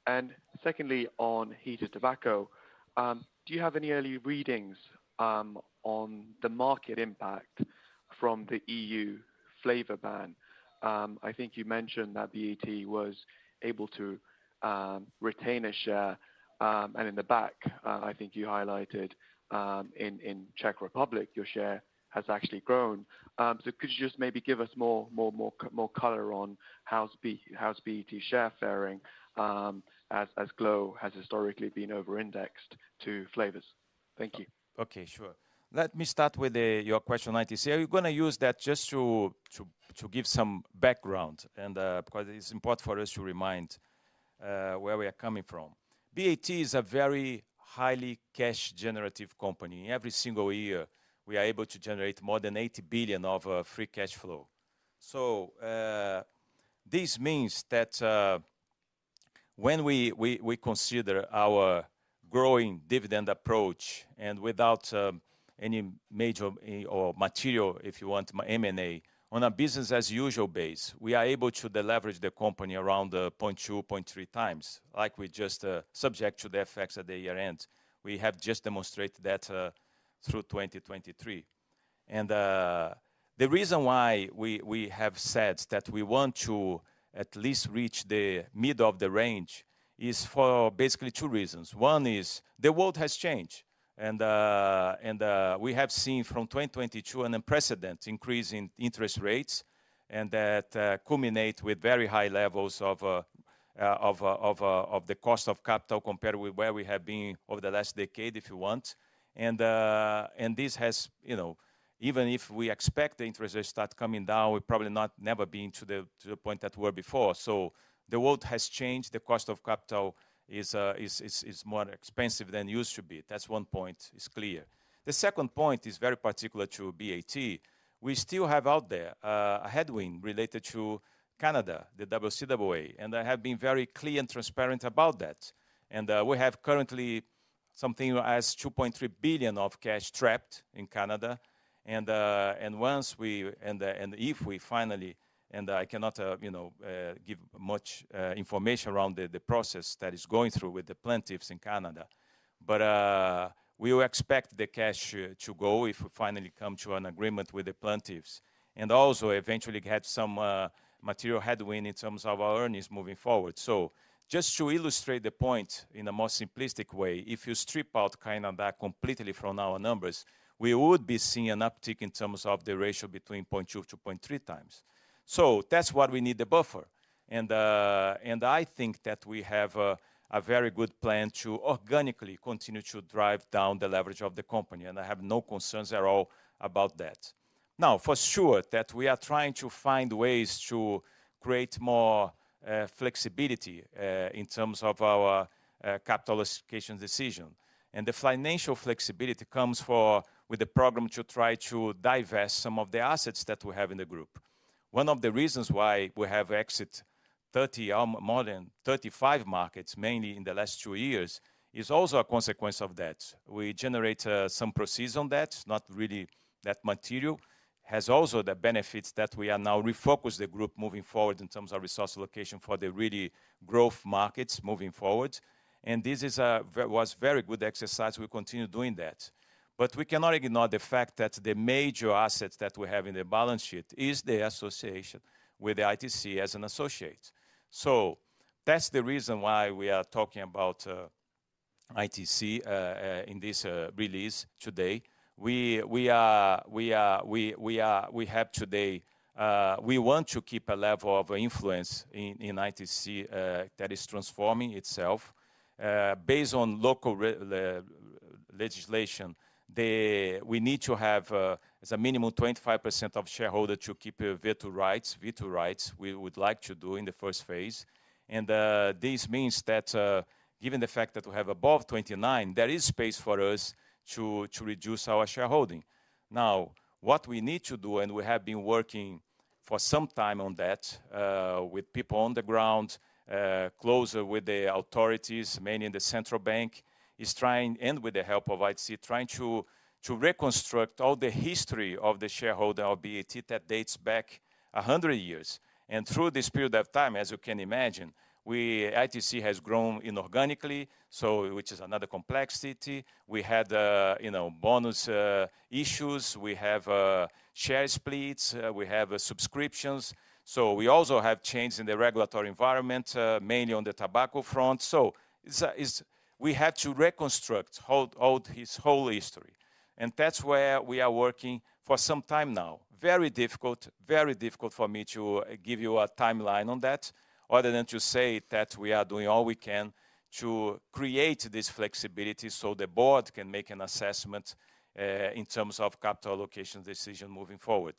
And secondly, on heated tobacco, do you have any early readings on the market impact from the EU flavor ban? I think you mentioned that BAT was able to retain a share, and in the back, I think you highlighted in Czech Republic, your share has actually grown. Could you just maybe give us more color on how's BAT share faring, as glo has historically been over-indexed to flavors? Thank you. Okay, sure. Let me start with your question on ITC. I'm gonna use that just to give some background and because it's important for us to remind where we are coming from. BAT is a very highly cash-generative company. Every single year, we are able to generate more than 80 billion of free cash flow. So this means that when we consider our growing dividend approach, and without any major or material, if you want, M&A, on a business as usual base, we are able to deleverage the company around 0.2-0.3 times, like we just subject to the effects at the year-end. We have just demonstrated that through 2023. The reason why we have said that we want to at least reach the middle of the range is for basically two reasons. One is, the world has changed, and we have seen from 2022 an unprecedented increase in interest rates, and that culminate with very high levels of the cost of capital compared with where we have been over the last decade, if you want. And this has, you know, even if we expect the interest rates start coming down, we've probably not never been to the point that we were before. So the world has changed. The cost of capital is more expensive than it used to be. That's one point, is clear. The second point is very particular to BAT. We still have out there a headwind related to Canada, the CCAA, and I have been very clear and transparent about that. We have currently something as 2.3 billion of cash trapped in Canada. And if we finally, I cannot you know give much information around the process that is going through with the plaintiffs in Canada. But we expect the cash to go if we finally come to an agreement with the plaintiffs, and also eventually get some material headwind in terms of our earnings moving forward. So just to illustrate the point in a more simplistic way, if you strip out Canada completely from our numbers, we would be seeing an uptick in terms of the ratio between 0.2x-0.3x. So that's why we need the buffer. And and I think that we have a a very good plan to organically continue to drive down the leverage of the company, and I have no concerns at all about that. Now, for sure, that we are trying to find ways to create more flexibility in terms of our capital allocation decision. And the financial flexibility comes with the program to try to divest some of the assets that we have in the group. One of the reasons why we have exit 30 or more than 35 markets, mainly in the last two years, is also a consequence of that. We generate some proceeds on that, not really that material. Has also the benefits that we are now refocus the group moving forward in terms of resource allocation for the really growth markets moving forward. This was very good exercise. We continue doing that. But we cannot ignore the fact that the major assets that we have in the balance sheet is the association with the ITC as an associate. So that's the reason why we are talking about ITC in this release today. We have today. We want to keep a level of influence in ITC that is transforming itself. Based on local legislation, we need to have, as a minimum, 25% shareholding to keep veto rights. Veto rights, we would like to do in the first phase. And this means that, given the fact that we have above 29, there is space for us to reduce our shareholding. Now, what we need to do, and we have been working for some time on that, with people on the ground, closer with the authorities, mainly in the Central Bank, is trying, and with the help of ITC, trying to reconstruct all the history of the shareholder of BAT that dates back 100 years. And through this period of time, as you can imagine, we—ITC has grown inorganically, so which is another complexity. We had, you know, bonus issues, we have share splits, we have subscriptions. So we also have changed in the regulatory environment, mainly on the tobacco front. So is we had to reconstruct whole, all this whole history, and that's where we are working for some time now. Very difficult, very difficult for me to give you a timeline on that, other than to say that we are doing all we can to create this flexibility so the board can make an assessment in terms of capital allocation decision moving forward.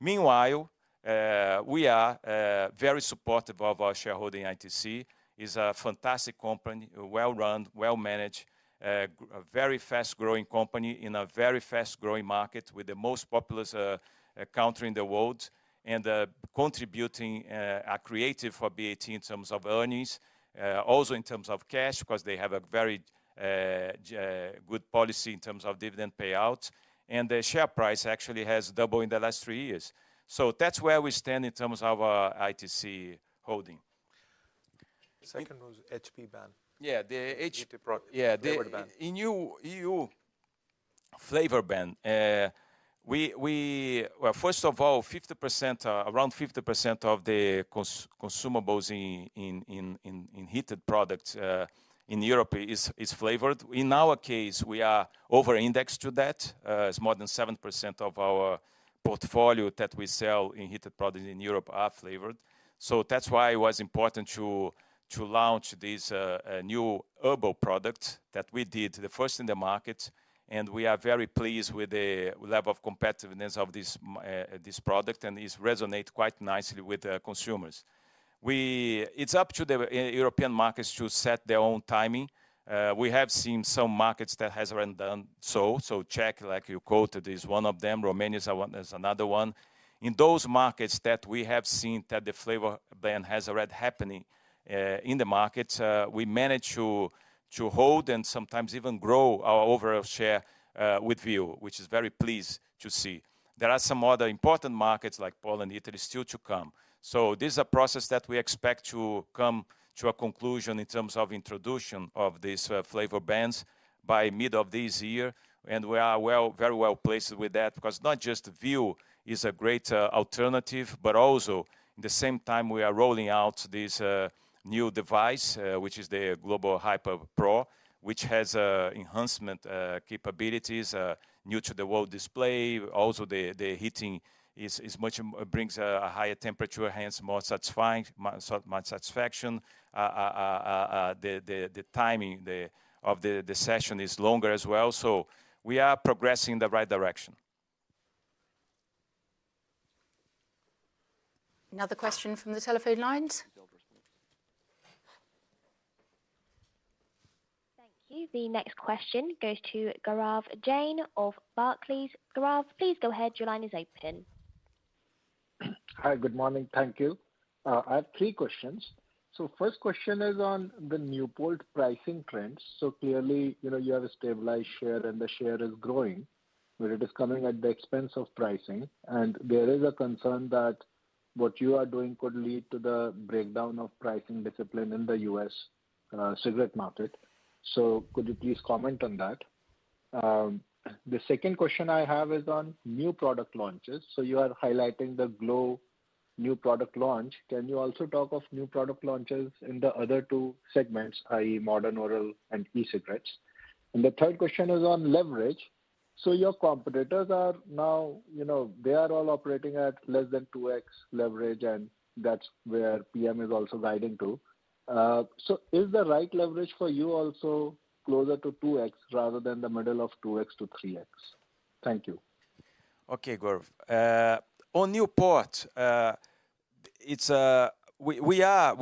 Meanwhile, we are very supportive of our shareholding in ITC. It's a fantastic company, well-run, well-managed, a very fast-growing company in a very fast-growing market with the most populous country in the world, and contributing attractive for BAT in terms of earnings, also in terms of cash, because they have a very good policy in terms of dividend payouts, and the share price actually has doubled in the last three years. So that's where we stand in terms of our ITC holding. Second was HTP ban. Yeah, the H- Heated product- Yeah. Flavor ban. In new EU flavor ban, Well, first of all, 50%, around 50% of the consumables in heated products in Europe is flavored. In our case, we are over-indexed to that. It's more than 7% of our portfolio that we sell in heated products in Europe are flavored. So that's why it was important to launch this new herbal product that we did, the first in the market, and we are very pleased with the level of competitiveness of this product, and this resonate quite nicely with the consumers. It's up to the European markets to set their own timing. We have seen some markets that has already done so. So Czech, like you quoted, is one of them. Romania is a one, is another one. In those markets that we have seen that the flavor ban has already happening in the markets, we managed to hold and sometimes even grow our overall share with Vuse, which is very pleased to see. There are some other important markets like Poland and Italy, still to come. So this is a process that we expect to come to a conclusion in terms of introduction of these flavor bans by mid of this year, and we are very well placed with that, because not just Vuse is a great alternative, but also at the same time, we are rolling out this new device, which is the glo Hyper Pro, which has enhancement capabilities, new to the world display. Also, the heating is much brings a higher temperature, hence more satisfying satisfaction. The timing of the session is longer as well. So we are progressing in the right direction.... Another question from the telephone lines? Thank you. The next question goes to Gaurav Jain of Barclays. Gaurav, please go ahead. Your line is open. Hi, good morning. Thank you. I have three questions. So first question is on the Newport pricing trends. So clearly, you know, you have a stabilized share, and the share is growing, but it is coming at the expense of pricing. And there is a concern that what you are doing could lead to the breakdown of pricing discipline in the U.S., cigarette market. So could you please comment on that? The second question I have is on new product launches. So you are highlighting the glo new product launch. Can you also talk of new product launches in the other two segments, i.e., modern oral and e-cigarettes? And the third question is on leverage. So your competitors are now... You know, they are all operating at less than 2x leverage, and that's where PM is also guiding to. Is the right leverage for you also closer to 2x rather than the middle of 2x-3x? Thank you. Okay, Gaurav. On Newport, it's... We are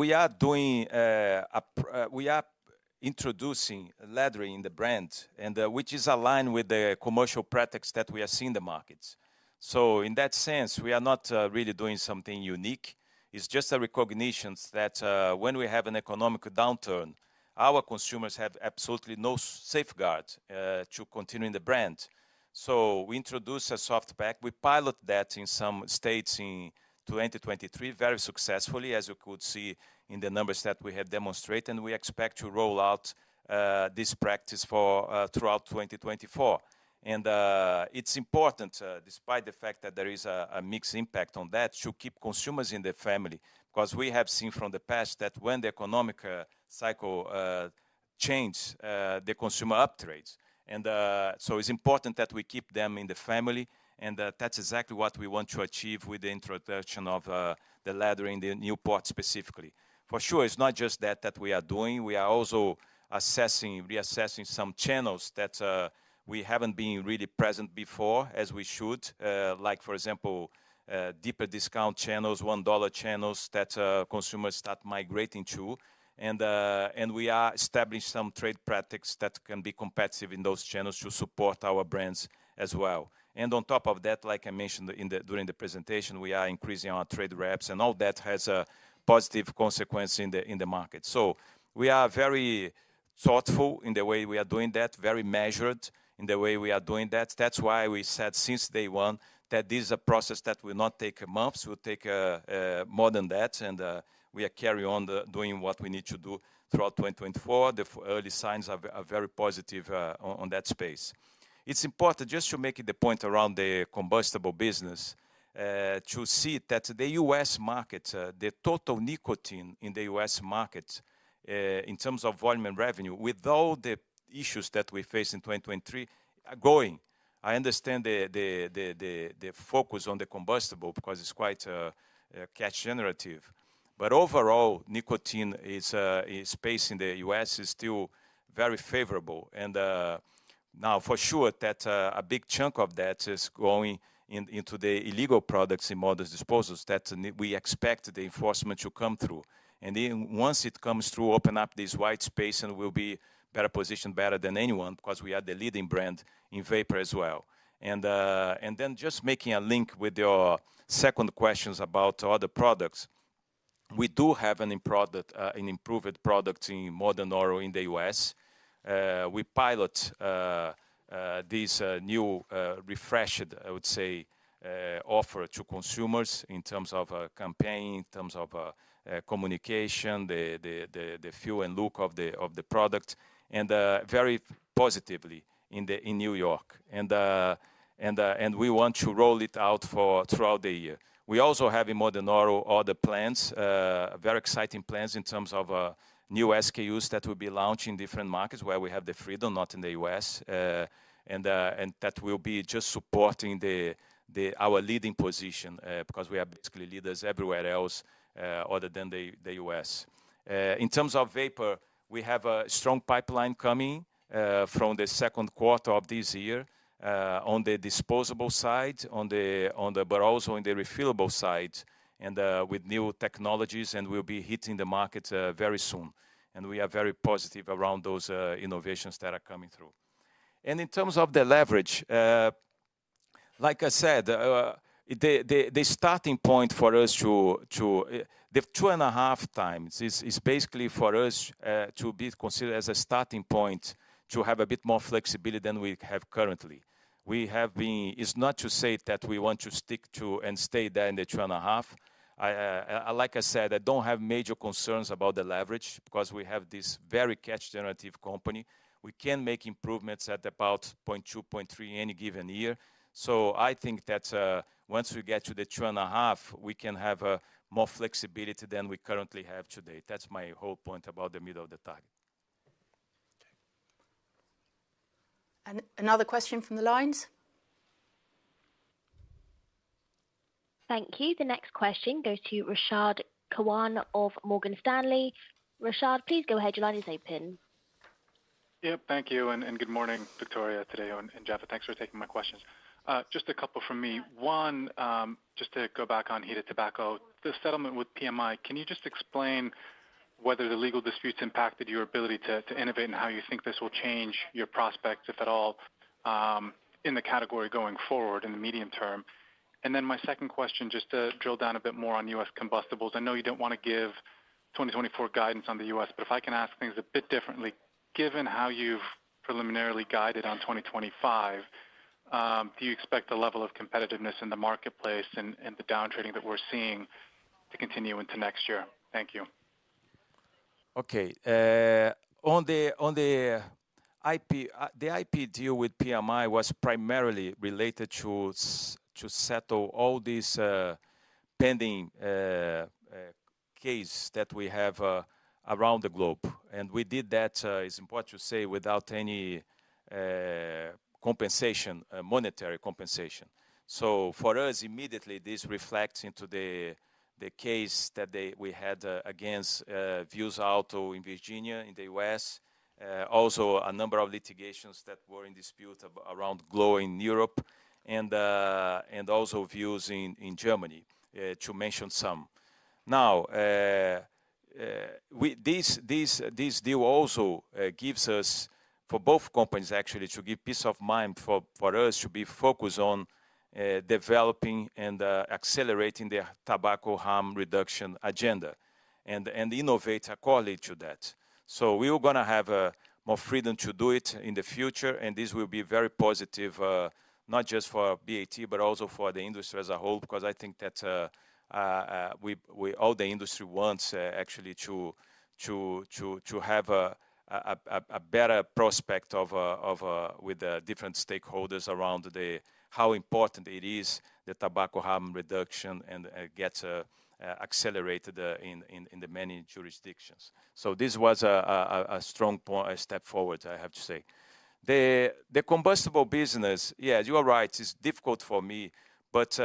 introducing laddering in the brand, and which is aligned with the commercial practice that we are seeing in the markets. So in that sense, we are not really doing something unique. It's just a recognition that when we have an economic downturn, our consumers have absolutely no safeguards to continuing the brand. So we introduce a soft pack. We pilot that in some states in 2023, very successfully, as you could see in the numbers that we have demonstrated, and we expect to roll out this practice throughout 2024. And it's important, despite the fact that there is a mixed impact on that, to keep consumers in the family. 'Cause we have seen from the past that when the economic cycle change, the consumer upgrades. So it's important that we keep them in the family, and that's exactly what we want to achieve with the introduction of the laddering, the Newport specifically. For sure, it's not just that that we are doing. We are also assessing, reassessing some channels that we haven't been really present before as we should. Like for example, deep discount channels, $1 channels that consumers start migrating to. And we are establishing some trade practices that can be competitive in those channels to support our brands as well. And on top of that, like I mentioned during the presentation, we are increasing our trade reps, and all that has a positive consequence in the market. So we are very thoughtful in the way we are doing that, very measured in the way we are doing that. That's why we said since day one, that this is a process that will not take months, will take more than that, and we are carry on the doing what we need to do throughout 2024. The early signs are very positive on that space. It's important, just to make the point around the combustible business, to see that the U.S. market, the total nicotine in the U.S. market, in terms of volume and revenue, with all the issues that we face in 2023, are going. I understand the focus on the combustible because it's quite cash generative. But overall, nicotine space in the US is still very favorable. And now for sure, a big chunk of that is going into the illegal products in modern disposables, that we expect the enforcement to come through. And then once it comes through, open up this wide space and we'll be better positioned better than anyone, 'cause we are the leading brand in vapor as well. And then just making a link with your second questions about other products, we do have an improved product, an improved product in modern oral in the US. We piloted this new refreshed, I would say, offer to consumers in terms of a campaign, in terms of communication, the feel and look of the product, and very positively in New York. We want to roll it out throughout the year. We also have in modern oral other plans, very exciting plans in terms of new SKUs that will be launched in different markets where we have the freedom, not in the U.S. And that will be just supporting our leading position, because we are basically leaders everywhere else, other than the U.S. In terms of vapor, we have a strong pipeline coming from the second quarter of this year on the disposable side, but also in the refillable side, and with new technologies, and we'll be hitting the market very soon. And we are very positive around those innovations that are coming through. And in terms of the leverage, like I said, the starting point for us to... The 2.5x is basically for us to be considered as a starting point to have a bit more flexibility than we have currently. It's not to say that we want to stick to and stay there in the 2.5x. I, like I said, don't have major concerns about the leverage because we have this very cash generative company. We can make improvements at about 0.2, 0.3 in any given year. So I think that, once we get to the 2.5x, we can have, more flexibility than we currently have today. That's my whole point about the middle of the target. Another question from the lines? Thank you. The next question goes to Rashad Kawan of Morgan Stanley. Rashad, please go ahead. Your line is open.... Yep, thank you, and good morning, Victoria, Tadeu, and Javed. Thanks for taking my questions. Just a couple from me. One, just to go back on heated tobacco, the settlement with PMI, can you just explain whether the legal disputes impacted your ability to innovate and how you think this will change your prospects, if at all, in the category going forward in the medium term? And then my second question, just to drill down a bit more on U.S. combustibles. I know you don't want to give 2024 guidance on the U.S., but if I can ask things a bit differently, given how you've preliminarily guided on 2025, do you expect the level of competitiveness in the marketplace and the downtrending that we're seeing to continue into next year? Thank you. Okay. On the IP deal with PMI was primarily related to settle all these pending case that we have around the globe. And we did that. It's important to say, without any compensation, monetary compensation. So for us, immediately, this reflects into the case that we had against Vuse Alto in Virginia, in the U.S. Also a number of litigations that were in dispute around the globe in Europe and also Vuse in Germany, to mention some. Now, this deal also gives us, for both companies actually, to give peace of mind for us to be focused on developing and accelerating the tobacco harm reduction agenda and innovate accordingly to that. So we are gonna have more freedom to do it in the future, and this will be very positive, not just for BAT, but also for the industry as a whole, because I think that all the industry wants actually to have a better prospect of with the different stakeholders around the how important it is that Tobacco Harm Reduction and gets accelerated in the many jurisdictions. So this was a strong point, a step forward, I have to say. The combustibles business, yeah, you are right, it's difficult for me. But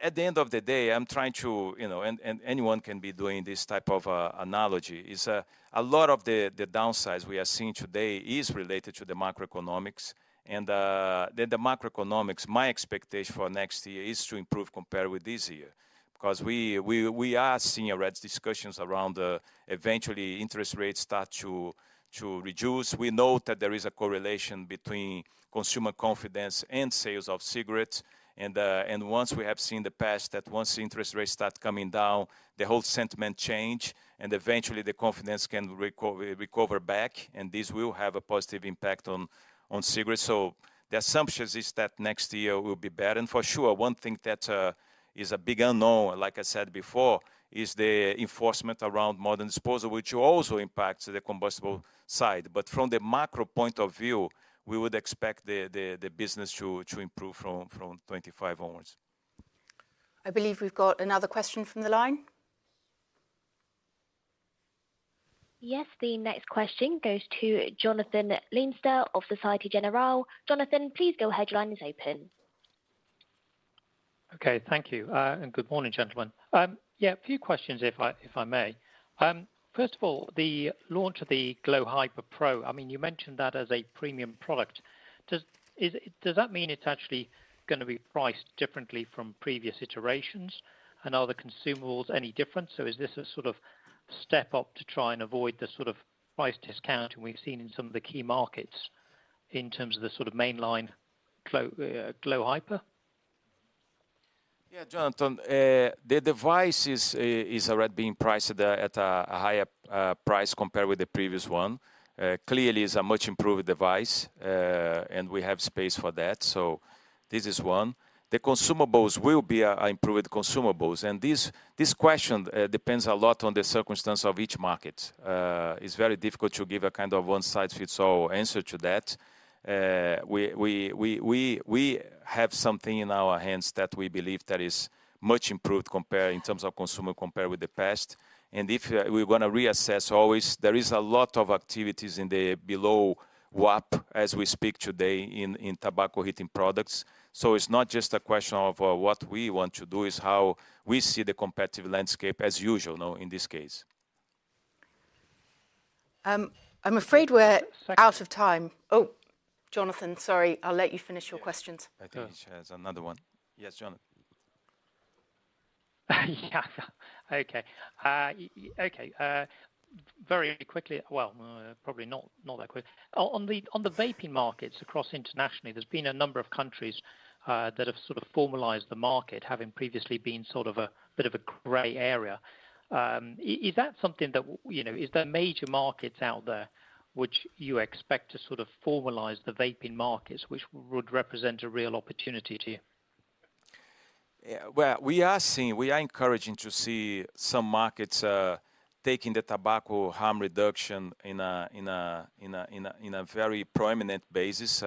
at the end of the day, I'm trying to, you know... Anyone can be doing this type of analogy is a lot of the downsides we are seeing today is related to the macroeconomics. The macroeconomics, my expectation for next year is to improve compared with this year. Because we are seeing already discussions around eventually interest rates start to reduce. We know that there is a correlation between consumer confidence and sales of cigarettes, and once we have seen the past, that once interest rates start coming down, the whole sentiment change, and eventually the confidence can recover back, and this will have a positive impact on cigarettes. So the assumptions is that next year will be better. For sure, one thing that is a big unknown, like I said before, is the enforcement around modern disposables, which also impacts the combustibles side. But from the macro point of view, we would expect the business to improve from 2025 onwards. I believe we've got another question from the line. Yes, the next question goes to Jonathan Leinster of Société Générale. Jonathan, please go ahead. Your line is open. Okay, thank you. And good morning, gentlemen. Yeah, a few questions, if I may. First of all, the launch of the glo Hyper Pro, I mean, you mentioned that as a premium product. Does... Is it- does that mean it's actually gonna be priced differently from previous iterations? And are the consumables any different? So is this a sort of step up to try and avoid the sort of price discount we've seen in some of the key markets in terms of the sort of mainline glo, glo Hyper? Yeah, Jonathan, the device is already being priced at a higher price compared with the previous one. Clearly, is a much improved device, and we have space for that. So this is one. The consumables will be improved consumables, and this question depends a lot on the circumstance of each market. It's very difficult to give a kind of one-size-fits-all answer to that. We have something in our hands that we believe that is much improved compared in terms of consumer, compared with the past. And if we're gonna reassess always, there is a lot of activities in the below WAP as we speak today in tobacco heating products. So it's not just a question of what we want to do is how we see the competitive landscape as usual, now, in this case. I'm afraid we're out of time. Oh, Jonathan, sorry. I'll let you finish your questions. I think he has another one. Yes, Jonathan. Yeah. Okay. Okay, very quickly... Well, probably not that quick. On the vaping markets across internationally, there's been a number of countries that have sort of formalized the market, having previously been sort of a bit of a gray area. Is that something that, you know, is there major markets out there which you expect to sort of formalize the vaping markets, which would represent a real opportunity to you? Yeah. Well, we are seeing. We are encouraging to see some markets taking the Tobacco Harm Reduction in a very prominent basis.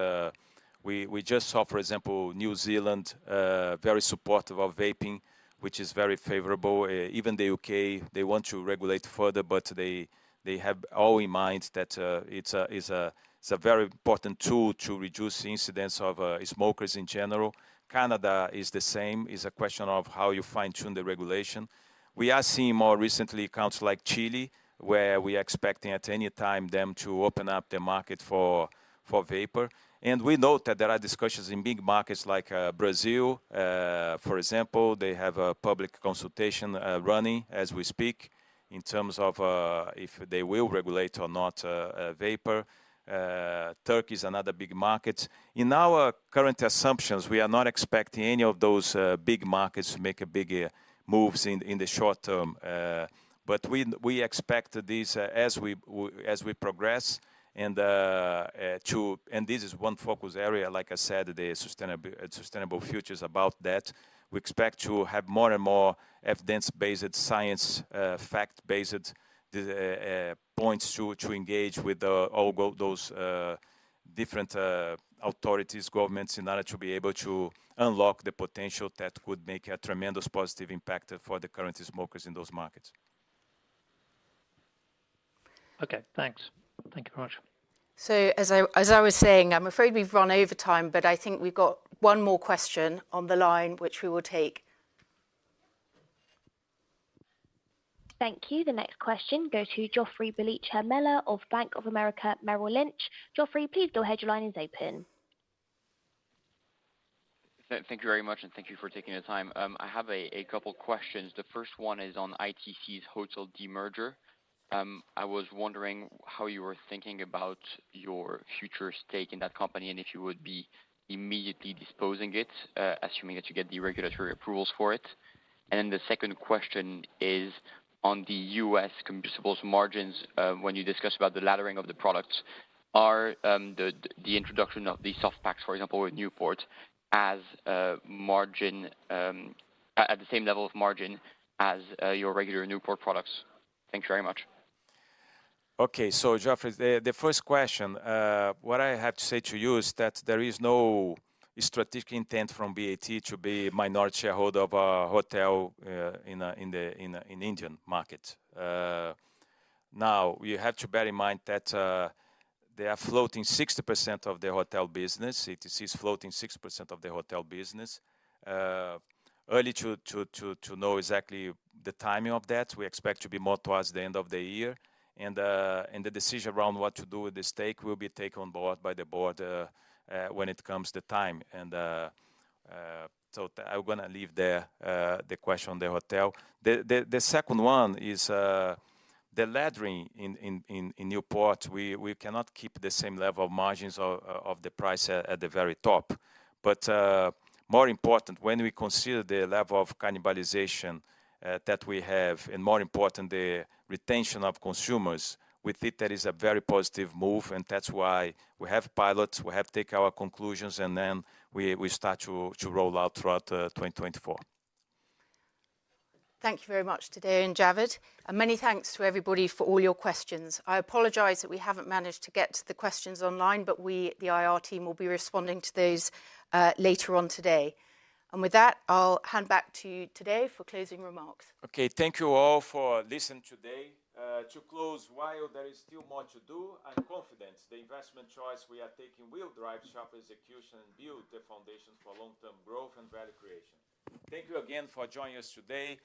We just saw, for example, New Zealand very supportive of vaping, which is very favorable. Even the U.K., they want to regulate further, but they have all in mind that it's a very important tool to reduce the incidence of smokers in general. Canada is the same. It's a question of how you fine-tune the regulation. We are seeing more recently countries like Chile, where we are expecting at any time them to open up their market for vapor. And we know that there are discussions in big markets like Brazil. For example, they have a public consultation running as we speak in terms of if they will regulate or not vapor. Turkey is another big market. In our current assumptions, we are not expecting any of those big markets to make a big moves in the short term. But we expect these as we progress and to. And this is one focus area, like I said, the Sustainable Futures is about that. We expect to have more and more evidence-based science, fact-based points to engage with those different authorities, governments, in order to be able to unlock the potential that could make a tremendous positive impact for the current smokers in those markets. Okay, thanks. Thank you very much. As I, as I was saying, I'm afraid we've run over time, but I think we've got one more question on the line, which we will take. Thank you. The next question goes to Joffrey Bellicha Meller of Bank of America Merrill Lynch. Geoffrey, please, your headline is open. Thank you very much, and thank you for taking the time. I have a couple questions. The first one is on ITC's hotel demerger. I was wondering how you were thinking about your future stake in that company, and if you would be immediately disposing it, assuming that you get the regulatory approvals for it? And then the second question is on the U.S. consumables margins. When you discuss about the laddering of the products, are the introduction of the soft packs, for example, with Newport, as a margin at the same level of margin as your regular Newport products? Thank you very much. Okay, so Joffrey, the first question, what I have to say to you is that there is no strategic intent from BAT to be minority shareholder of a hotel in the Indian market. Now, you have to bear in mind that they are floating 60% of their hotel business. ITC is floating 60% of their hotel business. Early to know exactly the timing of that, we expect to be more towards the end of the year. And the decision around what to do with the stake will be taken on board by the board when it comes the time. So I'm gonna leave the question on the hotel. The second one is the laddering in Newport. We cannot keep the same level of margins of the price at the very top. But, more important, when we consider the level of cannibalization that we have, and more important, the retention of consumers, we think that is a very positive move, and that's why we have pilots, we have take our conclusions, and then we start to roll out throughout 2024. Thank you very much, Tadeu and Javed, and many thanks to everybody for all your questions. I apologize that we haven't managed to get to the questions online, but we, the IR team, will be responding to those later on today. With that, I'll hand back to you Tadeu for closing remarks. Okay, thank you all for listening today. To close, while there is still more to do, I'm confident the investment choice we are taking will drive sharp execution and build the foundation for long-term growth and value creation. Thank you again for joining us today.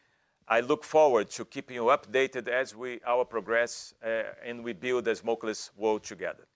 I look forward to keeping you updated as we... our progress, and we build a smokeless world together.